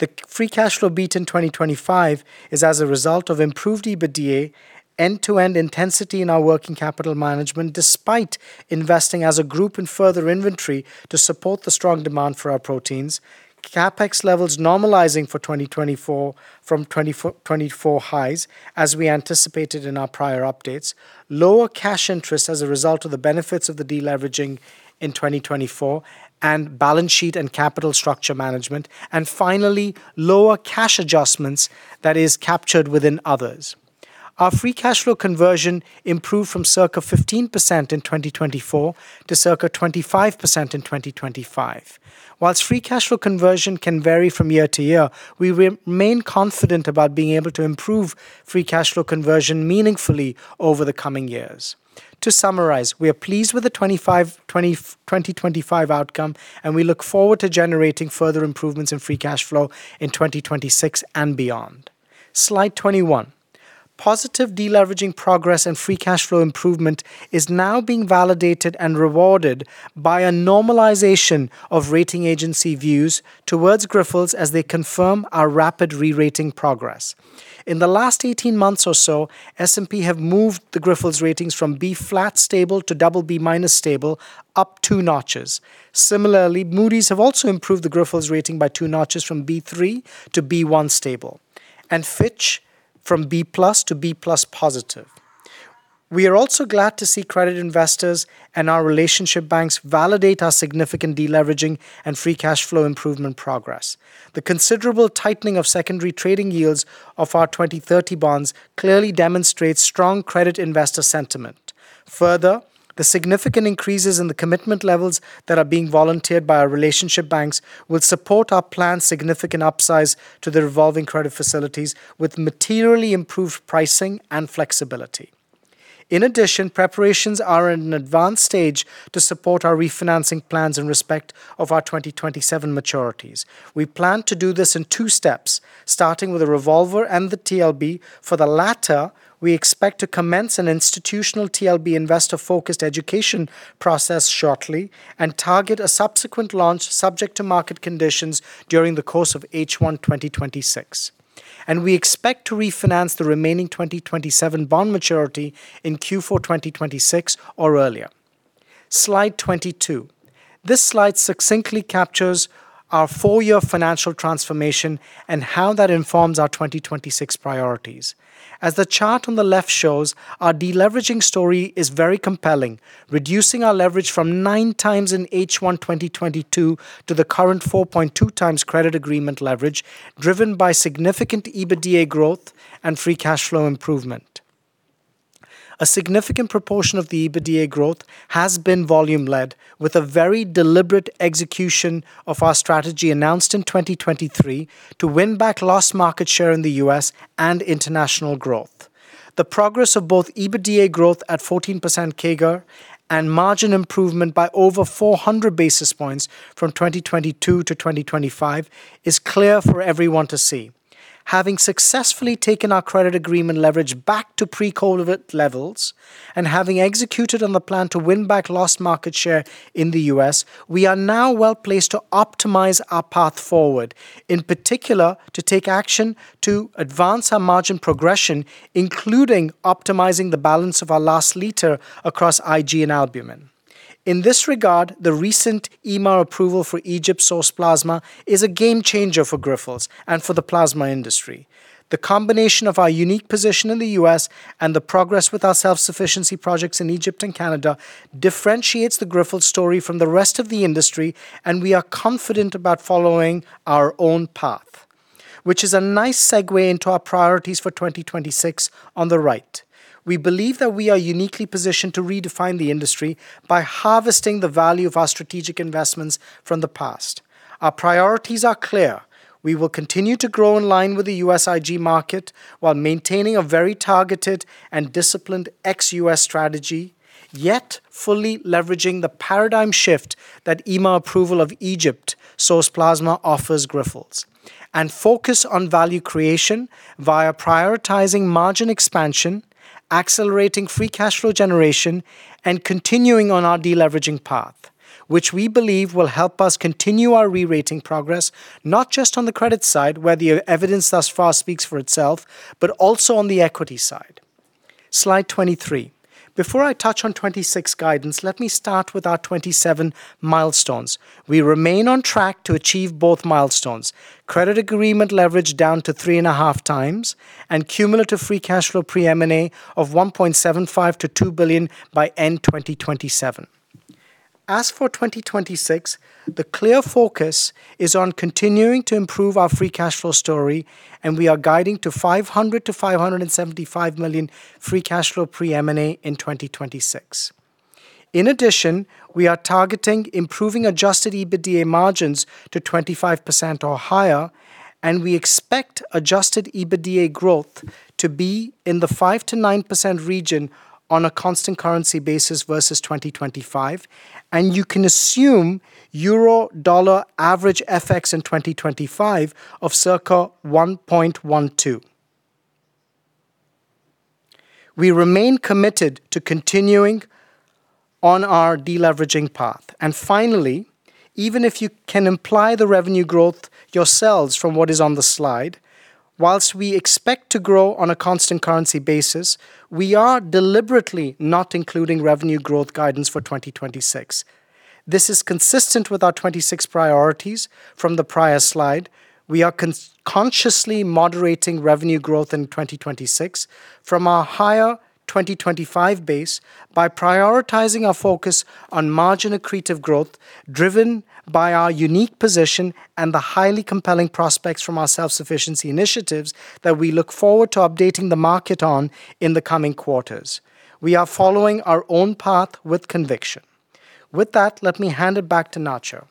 The free cash flow beat in 2025 is as a result of improved EBITDA, end-to-end intensity in our working capital management, despite investing as a group in further inventory to support the strong demand for our proteins, CapEx levels normalizing for 2024 from 2024 highs, as we anticipated in our prior updates, lower cash interest as a result of the benefits of the deleveraging in 2024, and balance sheet and capital structure management, and finally, lower cash adjustments that is captured within others. Our free cash flow conversion improved from circa 15% in 2024 to circa 25% in 2025. Whilst free cash flow conversion can vary from year to year, we remain confident about being able to improve free cash flow conversion meaningfully over the coming years. To summarize, we are pleased with the 2025 outcome, and we look forward to generating further improvements in free cash flow in 2026 and beyond. Slide 21. Positive deleveraging progress and free cash flow improvement is now being validated and rewarded by a normalization of rating agency views towards Grifols as they confirm our rapid re-rating progress. In the last 18 months or so, S&P have moved the Grifols ratings from B flat stable to BB- stable, up two notches. Similarly, Moody's have also improved the Grifols rating by two notches from B3 to B1 stable, and Fitch from B+ to B+ positive. We are also glad to see credit investors and our relationship banks validate our significant deleveraging and free cash flow improvement progress. The considerable tightening of secondary trading yields of our 2030 bonds clearly demonstrates strong credit investor sentiment. The significant increases in the commitment levels that are being volunteered by our relationship banks will support our planned significant upsize to the revolving credit facilities with materially improved pricing and flexibility. Preparations are in an advanced stage to support our refinancing plans in respect of our 2027 maturities. We plan to do this in two steps, starting with a revolver and the TLB. We expect to commence an institutional TLB investor-focused education process shortly and target a subsequent launch, subject to market conditions, during the course of H1 2026. We expect to refinance the remaining 2027 bond maturity in Q4 2026 or earlier. Slide 22. This slide succinctly captures our four-year financial transformation and how that informs our 2026 priorities. As the chart on the left shows, our deleveraging story is very compelling, reducing our leverage from 9x in H1 2022 to the current 4.2x credit agreement leverage, driven by significant EBITDA growth and free cash flow improvement. A significant proportion of the EBITDA growth has been volume-led, with a very deliberate execution of our strategy, announced in 2023, to win back lost market share in the US and international growth. The progress of both EBITDA growth at 14% CAGR and margin improvement by over 400 basis points from 2022 to 2025 is clear for everyone to see. Having successfully taken our credit agreement leverage back to pre-COVID levels and having executed on the plan to win back lost market share in the U.S., we are now well-placed to optimize our path forward, in particular, to take action to advance our margin progression, including optimizing the balance of our last liter across IG and albumin. In this regard, the recent EMA approval for Egypt-source plasma is a game-changer for Grifols and for the plasma industry. The combination of our unique position in the U.S. and the progress with our self-sufficiency projects in Egypt and Canada differentiates the Grifols story from the rest of the industry. We are confident about following our own path, which is a nice segue into our priorities for 2026 on the right. We believe that we are uniquely positioned to redefine the industry by harvesting the value of our strategic investments from the past. Our priorities are clear: We will continue to grow in line with the U.S. IG market while maintaining a very targeted and disciplined ex-U.S. strategy, yet fully leveraging the paradigm shift that EMA approval of Egypt-source plasma offers Grifols. Focus on value creation via prioritizing margin expansion, accelerating free cash flow generation, and continuing on our deleveraging path, which we believe will help us continue our re-rating progress, not just on the credit side, where the evidence thus far speaks for itself, but also on the equity side. Slide 23. Before I touch on 2026 guidance, let me start with our 2027 milestones. We remain on track to achieve both milestones: credit agreement leverage down to 3.5x, and cumulative free cash flow pre-M&A of 1.75 billion-2 billion by end 2027. For 2026, the clear focus is on continuing to improve our free cash flow story, and we are guiding to 500 million-575 million free cash flow pre-M&A in 2026. In addition, we are targeting improving adjusted EBITDA margins to 25% or higher, and we expect adjusted EBITDA growth to be in the 5%-9% region on a constant currency basis versus 2025. You can assume euro-dollar average FX in 2025 of circa 1.12. We remain committed to continuing on our deleveraging path. Finally, even if you can imply the revenue growth yourselves from what is on the slide, whilst we expect to grow on a constant currency basis, we are deliberately not including revenue growth guidance for 2026. This is consistent with our 2026 priorities from the prior slide. We are consciously moderating revenue growth in 2026 from our higher 2025 base by prioritizing our focus on margin accretive growth, driven by our unique position and the highly compelling prospects from our self-sufficiency initiatives that we look forward to updating the market on in the coming quarters. We are following our own path with conviction. With that, let me hand it back to Nacho.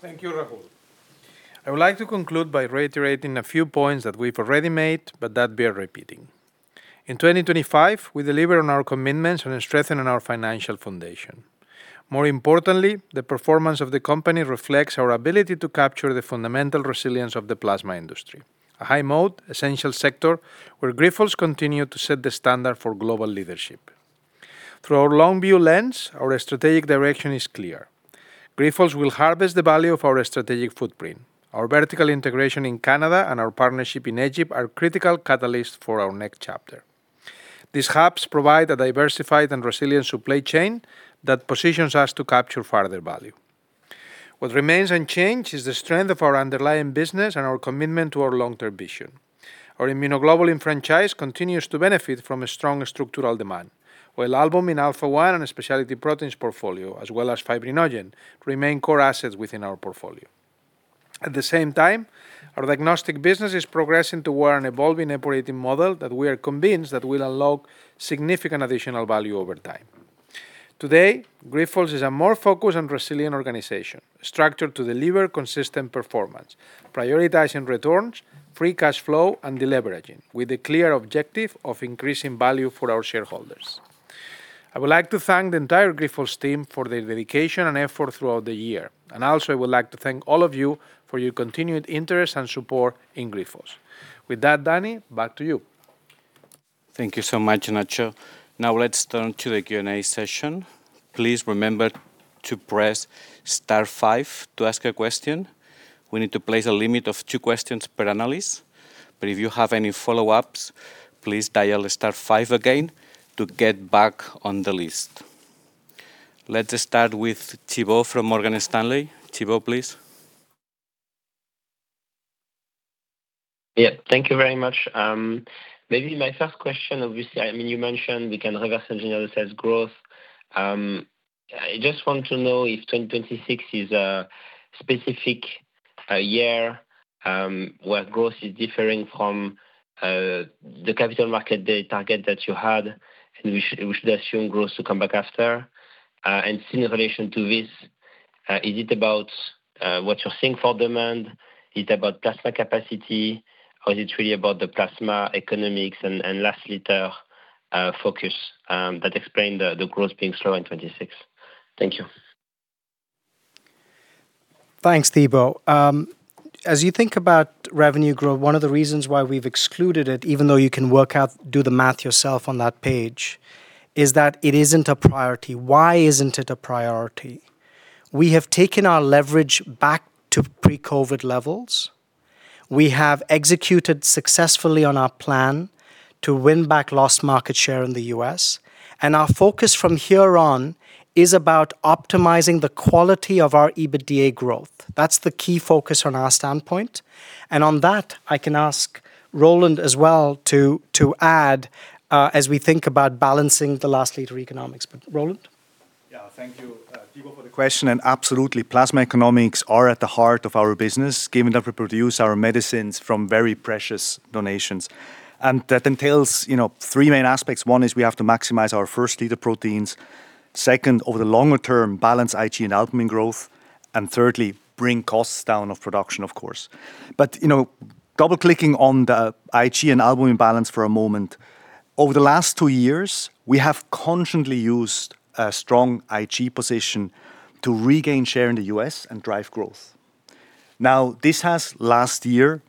Thank you, Rahul. I would like to conclude by reiterating a few points that we've already made but that bear repeating. In 2025, we delivered on our commitments on strengthening our financial foundation. More importantly, the performance of the company reflects our ability to capture the fundamental resilience of the plasma industry, a high-mode essential sector where Grifols continue to set the standard for global leadership. Through our long view lens, our strategic direction is clear. Grifols will harvest the value of our strategic footprint. Our vertical integration in Canada and our partnership in Egypt are critical catalysts for our next chapter. These hubs provide a diversified and resilient supply chain that positions us to capture further value. What remains unchanged is the strength of our underlying business and our commitment to our long-term vision. Our immunoglobulin franchise continues to benefit from a strong structural demand, while albumin, Alpha-1, and specialty proteins portfolio, as well as fibrinogen, remain core assets within our portfolio. At the same time, our Diagnostic business is progressing toward an evolving operating model that we are convinced that will unlock significant additional value over time. Today, Grifols is a more focused and resilient organization, structured to deliver consistent performance, prioritizing returns, free cash flow, and deleveraging with a clear objective of increasing value for our shareholders. I would like to thank the entire Grifols team for their dedication and effort throughout the year. Also, I would like to thank all of you for your continued interest and support in Grifols. With that, Dani, back to you. Thank you so much, Nacho. Now let's turn to the Q&A session. Please remember to press star five to ask a question. We need to place a limit of two questions per analyst, but if you have any follow-ups, please dial star five again to get back on the list. Let's start with Thibault from Morgan Stanley. Thibault, please. Yeah, thank you very much. Maybe my first question, obviously, I mean, you mentioned we can reverse engineer the sales growth. I just want to know if 2026 is a specific year where growth is differing from the capital market, the target that you had, and we should assume growth to come back after? In relation to this, is it about what you think for demand? Is it about plasma capacity, or is it really about the plasma economics and last liter focus that explain the growth being slow in 2026? Thank you. Thanks, Thibault. As you think about revenue growth, one of the reasons why we've excluded it, even though you can work out, do the math yourself on that page, is that it isn't a priority. Why isn't it a priority? We have taken our leverage back to pre-COVID levels. We have executed successfully on our plan to win back lost market share in the US, and our focus from here on is about optimizing the quality of our EBITDA growth. That's the key focus on our standpoint, and on that, I can ask Roland as well to add as we think about balancing the last liter economics. Roland? Thank you, Thibault, for the question. Absolutely, plasma economics are at the heart of our business, given that we produce our medicines from very precious donations. That entails, you know, three main aspects. One is we have to maximize our first liter proteins. Second, over the longer term, balance Ig and albumin growth, and thirdly, bring costs down of production, of course. You know, double-clicking on the Ig and albumin balance for a moment, over the last two years, we have constantly used a strong Ig position to regain share in the US and drive growth. This has last year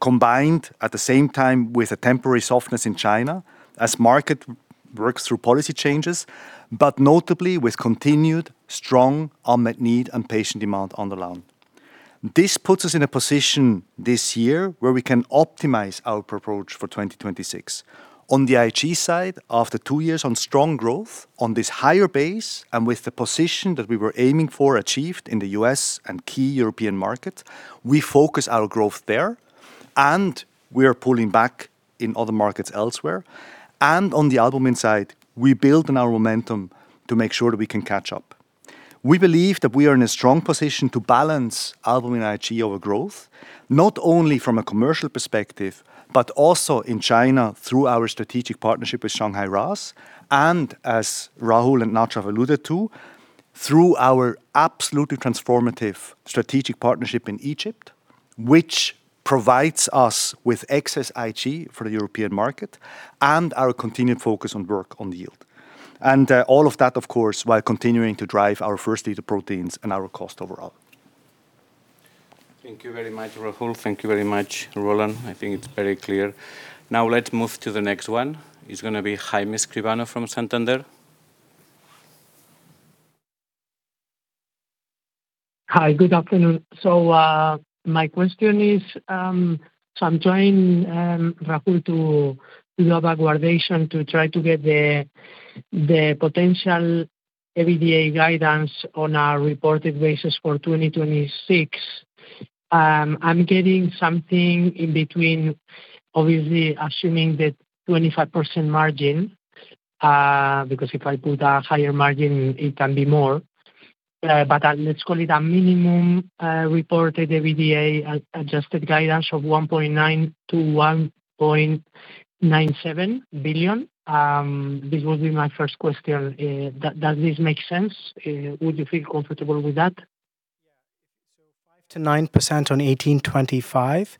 combined at the same time with a temporary softness in China as market works through policy changes, but notably with continued strong unmet need and patient demand on the line. This puts us in a position this year where we can optimize our approach for 2026. On the IG side, after two years on strong growth on this higher base and with the position that we were aiming for achieved in the U.S. and key European market, we focus our growth there. We are pulling back in other markets elsewhere. On the albumin side, we build on our momentum to make sure that we can catch up. We believe that we are in a strong position to balance albumin and IG over growth, not only from a commercial perspective, but also in China, through our strategic partnership with Shanghai RAAS, and as Rahul and Nacho have alluded to, through our absolutely transformative strategic partnership in Egypt, which provides us with excess IG for the European market. Our continued focus on work on the yield. All of that, of course, while continuing to drive our first liter proteins and our cost overall. Thank you very much, Rahul. Thank you very much, Roland. I think it's very clear. Let's move to the next one. It's gonna be Jaime Escribano from Santander. Hi, good afternoon. My question is, I'm trying, Rahul, to do a backwardation to try to get the potential EBITDA guidance on our reported basis for 2026. I'm getting something in between, obviously, assuming that 25% margin, because if I put a higher margin, it can be more. Let's call it a minimum reported EBITDA adjusted guidance of 1.9 billion-1.97 billion. This will be my first question. Does this make sense? Would you feel comfortable with that? 5%-9% on 1,825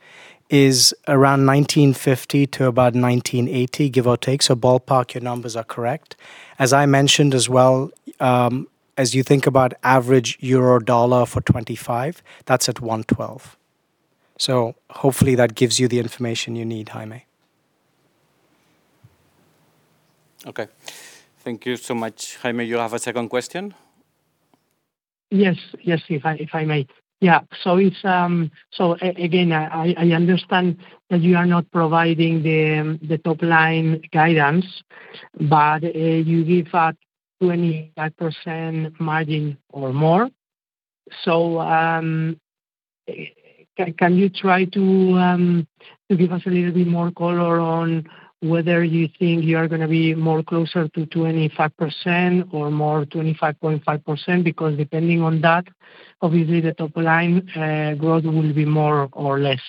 is around 1,950-1,980, give or take. Ballpark, your numbers are correct. As I mentioned as well, as you think about average euro-dollar for 2025, that's at 1.12. Hopefully that gives you the information you need, Jaime. Thank you so much, Jaime. You have a second question? Yes, if I may. Yeah. It's again, I understand that you are not providing the top-line guidance, you give a 25% margin or more. Can you try to give us a little bit more color on whether you think you are gonna be more closer to 25% or more, 25.5%? Depending on that, obviously the top-line growth will be more or less.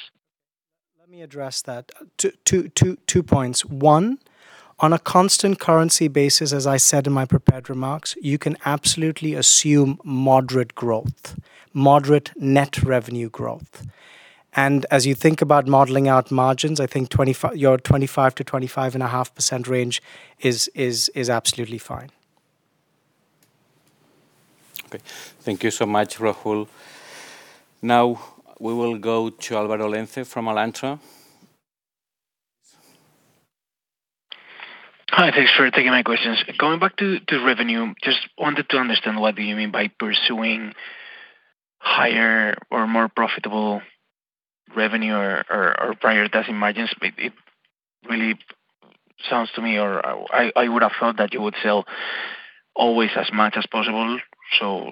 Let me address that. Two points. One, on a constant currency basis, as I said in my prepared remarks, you can absolutely assume moderate growth, moderate net revenue growth. As you think about modeling out margins, I think your 25% to 25.5% range is absolutely fine. Thank you so much, Rahul. We will go to Álvaro Lenze from Alantra. Hi, thanks for taking my questions. Going back to revenue, just wanted to understand what do you mean by pursuing higher or more profitable revenue or prioritizing margins? It really sounds to me, or I would have thought that you would sell always as much as possible.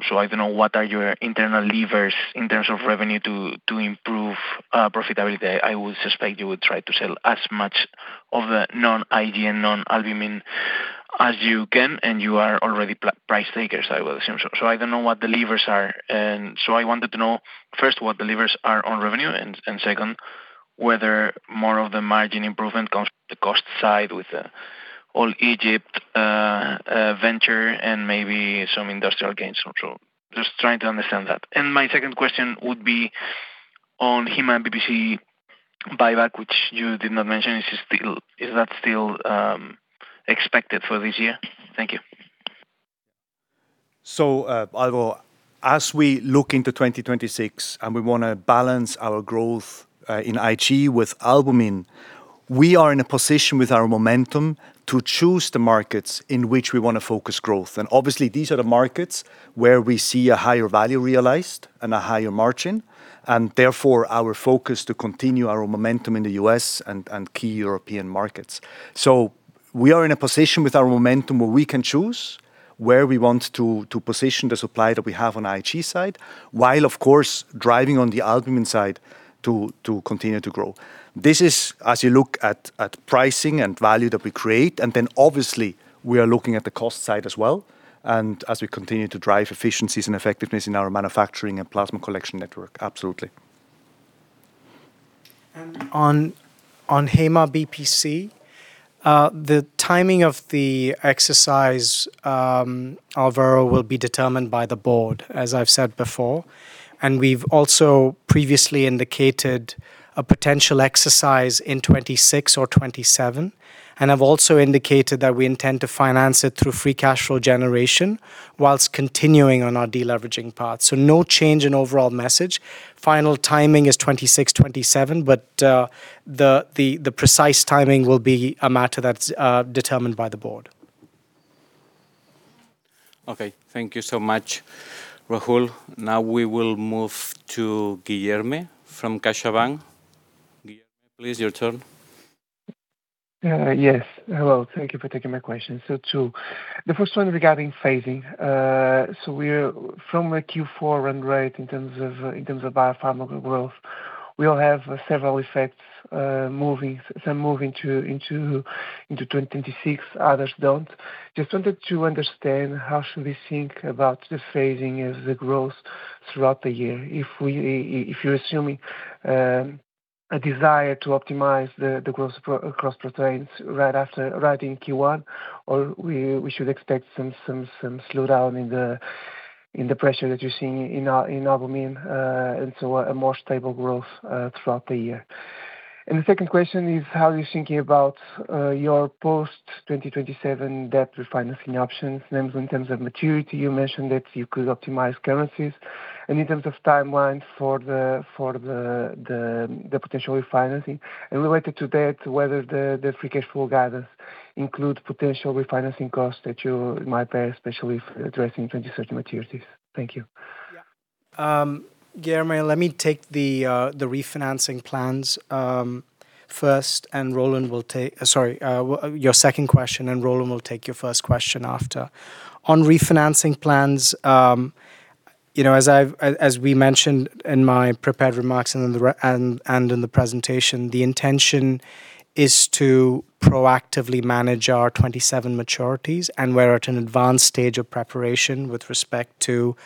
I don't know, what are your internal levers in terms of revenue to improve profitability? I would suspect you would try to sell as much of the non-IG and non-albumin as you can, and you are already price takers, I would assume. I don't know what the levers are. I wanted to know, first, what the levers are on revenue, and second, whether more of the margin improvement comes the cost side with the all Egypt venture and maybe some industrial gains. Just trying to understand that. My second question would be on Haema BPC buyback, which you did not mention. Is that still expected for this year? Thank you. Alvaro, as we look into 2026, we want to balance our growth in IG with albumin, we are in a position with our momentum to choose the markets in which we want to focus growth. Obviously, these are the markets where we see a higher value realized and a higher margin, and therefore, our focus to continue our momentum in the US and key European markets. We are in a position with our momentum where we can choose where we want to position the supply that we have on IG side, while of course, driving on the albumin side to continue to grow. This is as you look at pricing and value that we create, and then obviously, we are looking at the cost side as well, and as we continue to drive efficiencies and effectiveness in our manufacturing and plasma collection network. Absolutely. On Haema BPC, the timing of the exercise, Alvaro, will be determined by the board, as I've said before. We've also previously indicated a potential exercise in 2026 or 2027. I've also indicated that we intend to finance it through free cash flow generation whilst continuing on our de-leveraging path. No change in overall message. Final timing is 2026, 2027. The precise timing will be a matter that's determined by the board. Okay. Thank you so much, Rahul. Now we will move to Guilherme from CaixaBank. Guilherme, please, your turn. Yes. Hello, thank you for taking my question. Two. The first one regarding phasing. We're from a Q4 run rate in terms of, in terms of biopharmaceutical growth, we'll have several effects, moving, some moving to, into 2026, others don't. Just wanted to understand how should we think about the phasing of the growth throughout the year? If you're assuming a desire to optimize the growth across proteins right in Q1, or we should expect some slowdown in the pressure that you're seeing in albumin, and so a more stable growth throughout the year. The second question is: how are you thinking about your post-2027 debt refinancing options in terms of maturity? You mentioned that you could optimize currencies, and in terms of timelines for the potential refinancing. Related to that, whether the free cash flow guidance includes potential refinancing costs that you might pay, especially if addressing 2030 maturities. Thank you. Yeah. Guilherme, let me take the refinancing plans first, and Roland will take your second question, and Roland will take your first question after. On refinancing plans, you know, as we mentioned in my prepared remarks and in the presentation, the intention is to proactively manage our 2027 maturities, and we're at an advanced stage of preparation with respect to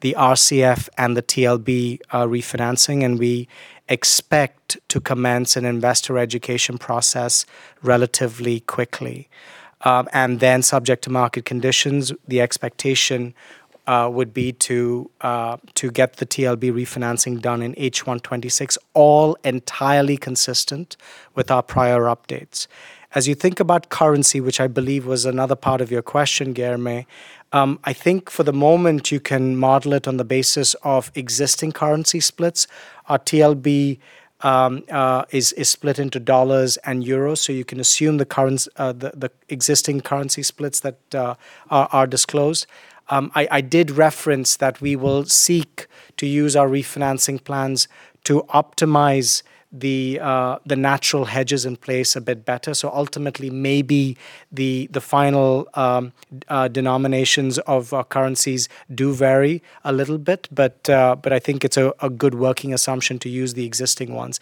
the RCF and the TLB refinancing, and we expect to commence an investor education process relatively quickly. And then subject to market conditions, the expectation would be to get the TLB refinancing done in H1 2026, all entirely consistent with our prior updates. As you think about currency, which I believe was another part of your question, Guilherme, I think for the moment, you can model it on the basis of existing currency splits. Our TLB is split into dollars and euros, you can assume the existing currency splits that are disclosed. I did reference that we will seek to use our refinancing plans to optimize the natural hedges in place a bit better. Ultimately, maybe the final denominations of our currencies do vary a little bit, I think it's a good working assumption to use the existing ones.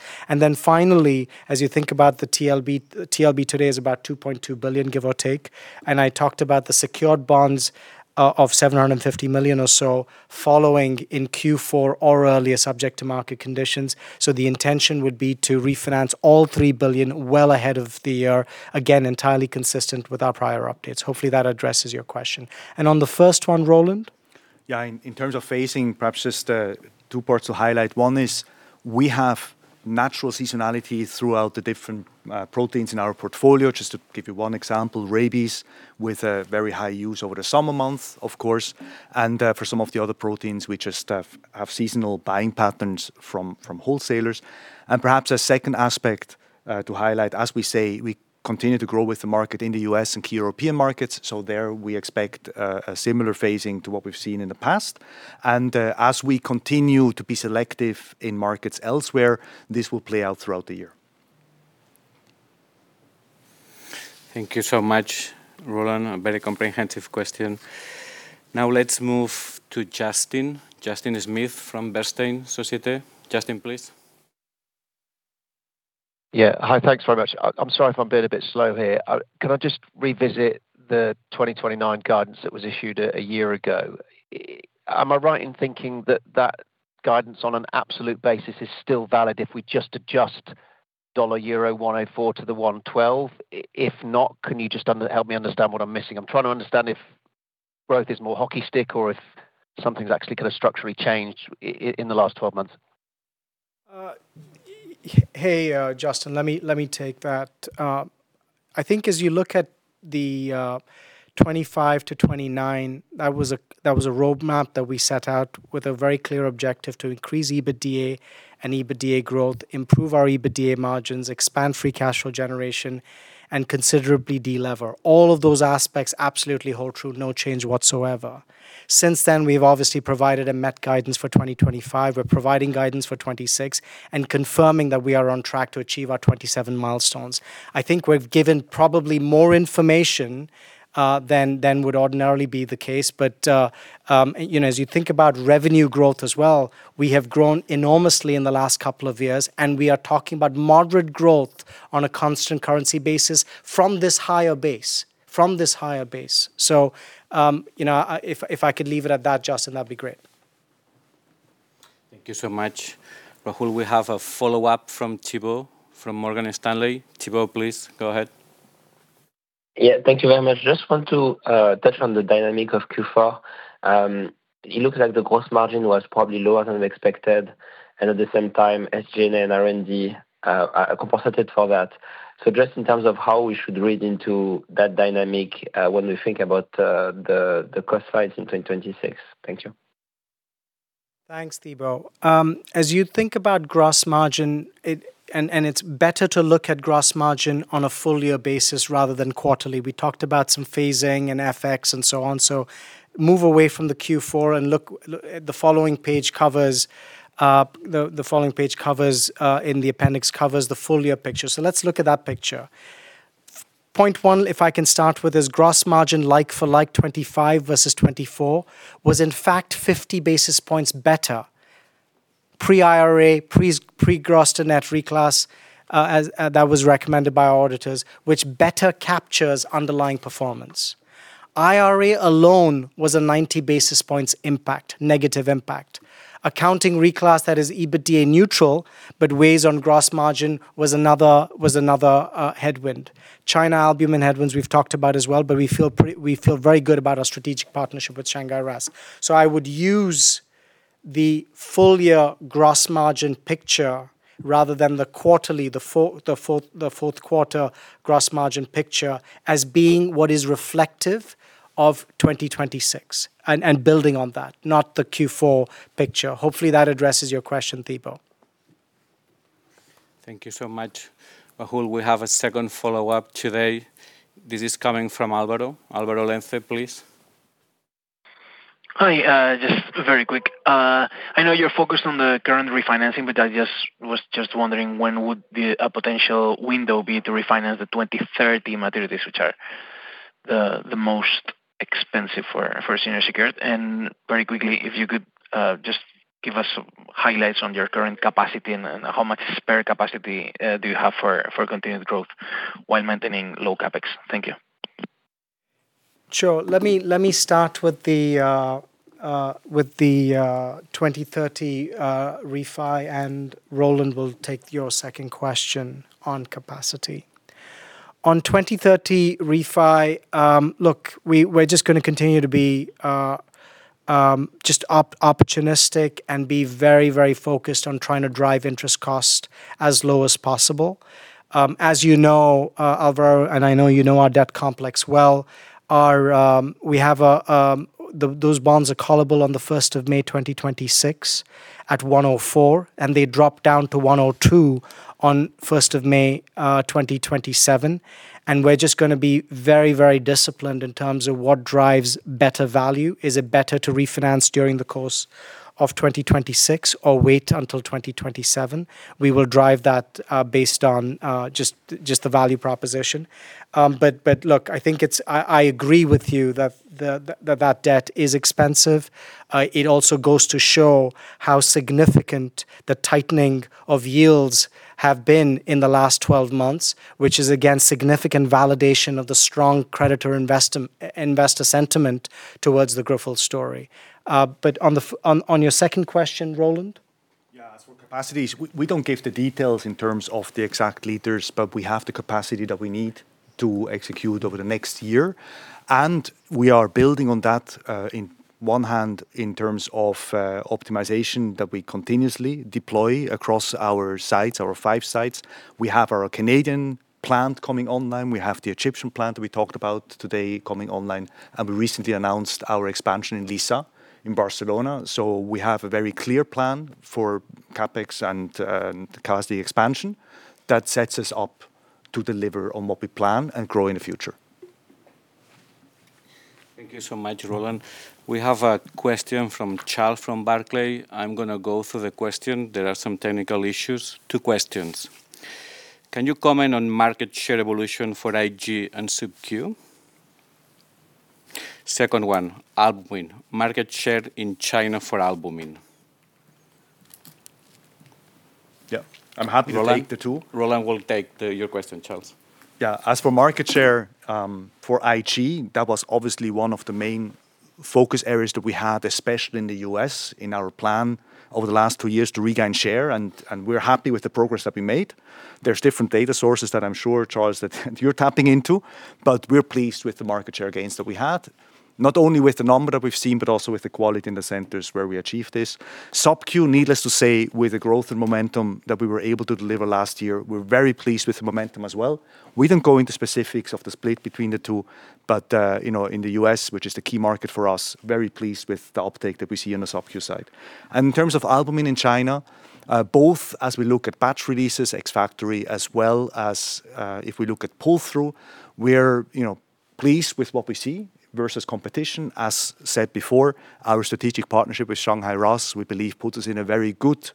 Finally, as you think about the TLB today is about 2.2 billion, give or take, and I talked about the secured bonds of 750 million or so following in Q4 or earlier, subject to market conditions. The intention would be to refinance all 3 billion well ahead of the year. Again, entirely consistent with our prior updates. Hopefully, that addresses your question. On the first one, Roland? Yeah, in terms of phasing, perhaps just two parts to highlight. One is we have natural seasonality throughout the different proteins in our portfolio. Just to give you one example, rabies, with a very high use over the summer months, of course, and for some of the other proteins, we just have seasonal buying patterns from wholesalers. Perhaps a second aspect to highlight, as we say, we continue to grow with the market in the U.S. and key European markets. There we expect a similar phasing to what we've seen in the past. As we continue to be selective in markets elsewhere, this will play out throughout the year. Thank you so much, Roland. A very comprehensive question. Let's move to Justin. Justin Smith from Bernstein Societe. Justin, please. Yeah. Hi, thanks very much. I'm sorry if I'm being a bit slow here. Can I just revisit the 2029 guidance that was issued a year ago? Am I right in thinking that guidance on an absolute basis is still valid if we just adjust dollar/EUR 104 to the 112? If not, can you just help me understand what I'm missing? I'm trying to understand if growth is more hockey stick or if something's actually kind of structurally changed in the last 12 months. Hey, Justin, let me take that. I think as you look at the 2025 to 2029, that was a roadmap that we set out with a very clear objective to increase EBITDA and EBITDA growth, improve our EBITDA margins, expand free cash flow generation, and considerably de-lever. All of those aspects absolutely hold true, no change whatsoever. Since then, we've obviously provided and met guidance for 2025. We're providing guidance for 2026 and confirming that we are on track to achieve our 2027 milestones. I think we've given probably more information than would ordinarily be the case. You know, as you think about revenue growth as well, we have grown enormously in the last couple of years, and we are talking about moderate growth on a constant currency basis from this higher base. You know, if I could leave it at that, Justin, that'd be great. Thank you so much, Rahul. We have a follow-up from Thibault, from Morgan Stanley. Thibault, please go ahead. Thank you very much. Just want to touch on the dynamic of Q4. It looks like the gross margin was probably lower than expected, and at the same time, SG&A and R&D compensated for that. Just in terms of how we should read into that dynamic when we think about the cost sides in 2026. Thank you. Thanks, Thibault. As you think about gross margin, it's better to look at gross margin on a full year basis rather than quarterly. We talked about some phasing and FX and so on. Move away from the Q4 and look, the following page covers, in the appendix, covers the full year picture. Let's look at that picture. Point 1, if I can start with, is gross margin like for like 25 versus 24, was in fact, 50 basis points better. Pre-IRA, gross to net reclass, as that was recommended by our auditors, which better captures underlying performance. IRA alone was a 90 basis points impact, negative impact. Accounting reclass, that is EBITDA neutral, but weighs on gross margin, was another headwind. China albumin headwinds, we've talked about as well. We feel very good about our strategic partnership with Shanghai RAAS. I would use the full year gross margin picture rather than the fourth quarter gross margin picture, as being what is reflective of 2026 and building on that, not the Q4 picture. Hopefully, that addresses your question, Thibault. Thank you so much, Rahul. We have a second follow-up today. This is coming from Álvaro. Álvaro Lenze, please. Hi, just very quick. I know you're focused on the current refinancing, but I was just wondering, when would a potential window be to refinance the 2030 maturities, which are the most expensive for senior secured? Very quickly, if you could just give us highlights on your current capacity and how much spare capacity do you have for continued growth while maintaining low CapEx? Thank you. Sure. Let me start with the 2030 refi, and Roland will take your second question on capacity. On 2030 refi, we're just gonna continue to be opportunistic and be very, very focused on trying to drive interest cost as low as possible. As you know, Alvaro, and I know you know our debt complex well, those bonds are callable on the 1st of May 2026, at 104, and they drop down to 102 on 1st of May 2027. We're just gonna be very, very disciplined in terms of what drives better value. Is it better to refinance during the course of 2026 or wait until 2027? We will drive that, based on, just the value proposition. Look, I think it's. I agree with you that that debt is expensive. It also goes to show how significant the tightening of yields have been in the last 12 months, which is again, significant validation of the strong creditor investor sentiment towards the Grifols story. On your second question, Roland? As for capacities, we don't give the details in terms of the exact liters, but we have the capacity that we need to execute over the next year, and we are building on that, in one hand, in terms of optimization that we continuously deploy across our sites, our five sites. We have our Canadian plant coming online. We have the Egyptian plant we talked about today coming online, and we recently announced our expansion in Lliçà de Vall, in Barcelona. We have a very clear plan for CapEx and capacity expansion that sets us up to deliver on what we plan and grow in the future. Thank you so much, Roland. We have a question from Charles, from Barclays. I'm gonna go through the question. There are some technical issues. Two questions: Can you comment on market share evolution for IG and Sub-Q? Second one, albumin, market share in China for albumin. Yeah, I'm happy to take the 2. Roland will take your question, Charles. Yeah. As for market share, for IG, that was obviously one of the main focus areas that we had, especially in the U.S., in our plan over the last two years to regain share, and we're happy with the progress that we made. There's different data sources that I'm sure, Charles, that you're tapping into, but we're pleased with the market share gains that we had, not only with the number that we've seen, but also with the quality in the centers where we achieved this. Sub-Q, needless to say, with the growth and momentum that we were able to deliver last year, we're very pleased with the momentum as well. We don't go into specifics of the split between the two, but, you know, in the U.S., which is the key market for us, very pleased with the uptake that we see on the Sub-Q side. In terms of albumin in China, both as we look at batch releases, ex-factory, as well as, if we look at pull-through, we're, you know, pleased with what we see versus competition. As said before, our strategic partnership with Shanghai RAAS, we believe, puts us in a very good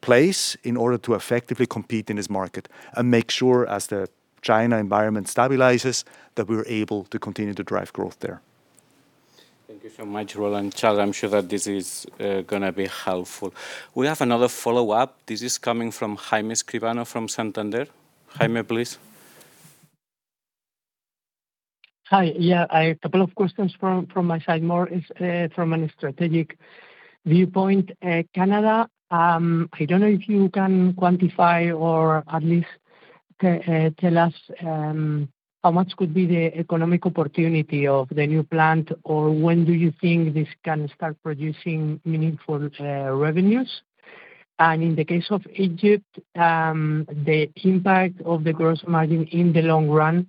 place in order to effectively compete in this market and make sure, as the China environment stabilizes, that we're able to continue to drive growth there. Thank you so much, Roland. Charles, I'm sure that this is gonna be helpful. We have another follow-up. This is coming from Jaime Escribano from Santander. Jaime, please. Hi. Yeah, I have a couple of questions from my side, more from a strategic viewpoint. Canada, I don't know if you can quantify or at least tell us how much could be the economic opportunity of the new plant, or when do you think this can start producing meaningful revenues? In the case of Egypt, the impact of the gross margin in the long run,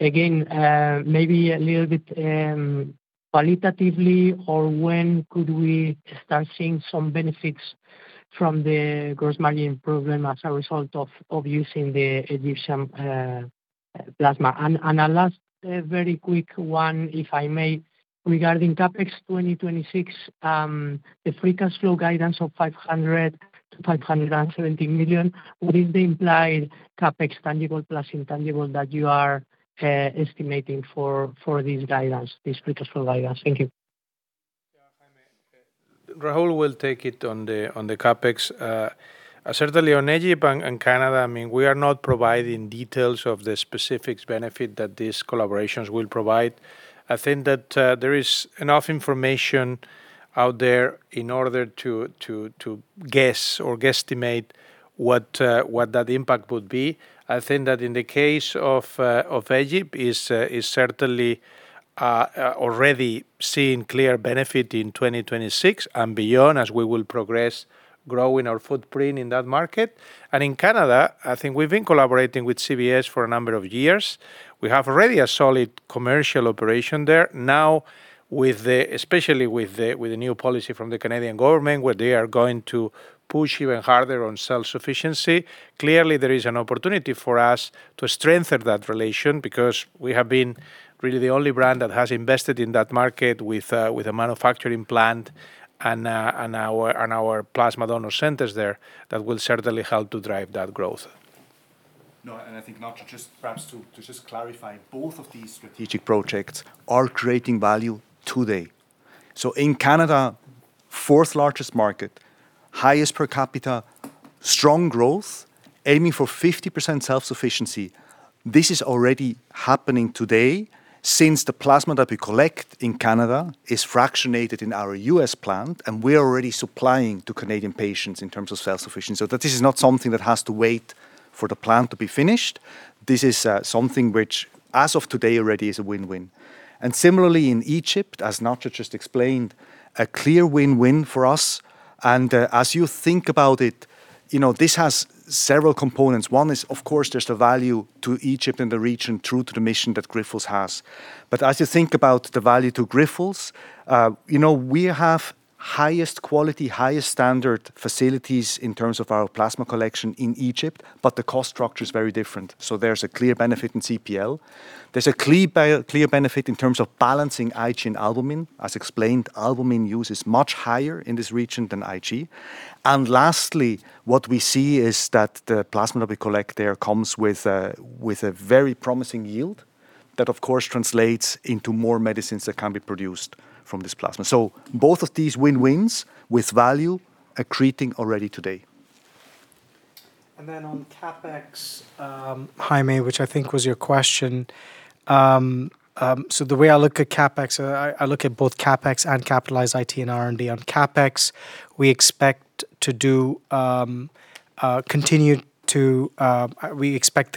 again, maybe a little bit qualitatively, or when could we start seeing some benefits from the gross margin improvement as a result of using the Egyptian plasma? A last, very quick one, if I may, regarding CapEx 2026, the free cash flow guidance of 500 million to 570 million, what is the implied CapEx tangible plus intangible that you are estimating for this guidance, this free cash flow guidance? Thank you. Yeah, Jaime, Rahul will take it on the CapEx. Certainly on Egypt and Canada, I mean, we are not providing details of the specific benefit that these collaborations will provide. I think that there is enough information out there in order to guess or guesstimate what that impact would be. I think that in the case of Egypt is certainly already seeing clear benefit in 2026 and beyond, as we will progress growing our footprint in that market. In Canada, I think we've been collaborating with CBS for a number of years. We have already a solid commercial operation there. Now, with the... Especially with the new policy from the Canadian government, where they are going to push even harder on self-sufficiency, clearly there is an opportunity for us to strengthen that relation because we have been really the only brand that has invested in that market with a manufacturing plant and our plasma donor centers there. That will certainly help to drive that growth. I think, Nacho, just perhaps to just clarify, both of these strategic projects are creating value today. In Canada, fourth largest market, highest per capita, strong growth, aiming for 50% self-sufficiency. This is already happening today since the plasma that we collect in Canada is fractionated in our U.S. plant, and we are already supplying to Canadian patients in terms of self-sufficiency. That this is not something that has to wait for the plant to be finished. This is something which, as of today already, is a win-win. Similarly, in Egypt, as Nacho just explained, a clear win-win for us. As you think about it, you know, this has several components. One is, of course, there's the value to Egypt and the region through to the mission that Grifols has. As you think about the value to Grifols, you know, we have highest quality, highest standard facilities in terms of our plasma collection in Egypt, but the cost structure is very different. There's a clear benefit in CPL. There's a clear benefit in terms of balancing IG and albumin. As explained, albumin use is much higher in this region than IG. Lastly, what we see is that the plasma that we collect there comes with a, with a very promising yield that, of course, translates into more medicines that can be produced from this plasma. Both of these win-wins with value are creating already today. On CapEx, Jaime, which I think was your question. The way I look at CapEx, I look at both CapEx and capitalized IT and R&D. On CapEx, we expect the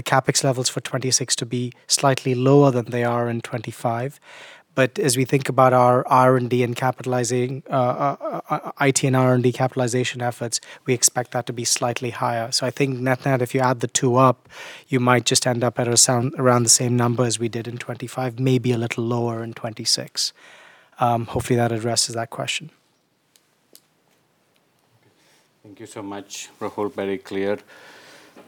CapEx levels for 2026 to be slightly lower than they are in 2025. As we think about our R&D and capitalizing IT and R&D capitalization efforts, we expect that to be slightly higher. I think net-net, if you add the two up, you might just end up at around the same number as we did in 2025, maybe a little lower in 2026. Hopefully, that addresses that question. Thank you so much, Rahul. Very clear.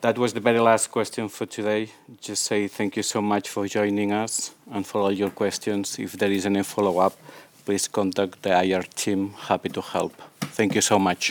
That was the very last question for today. Just say thank you so much for joining us and for all your questions. If there is any follow-up, please contact the IR team. Happy to help. Thank you so much.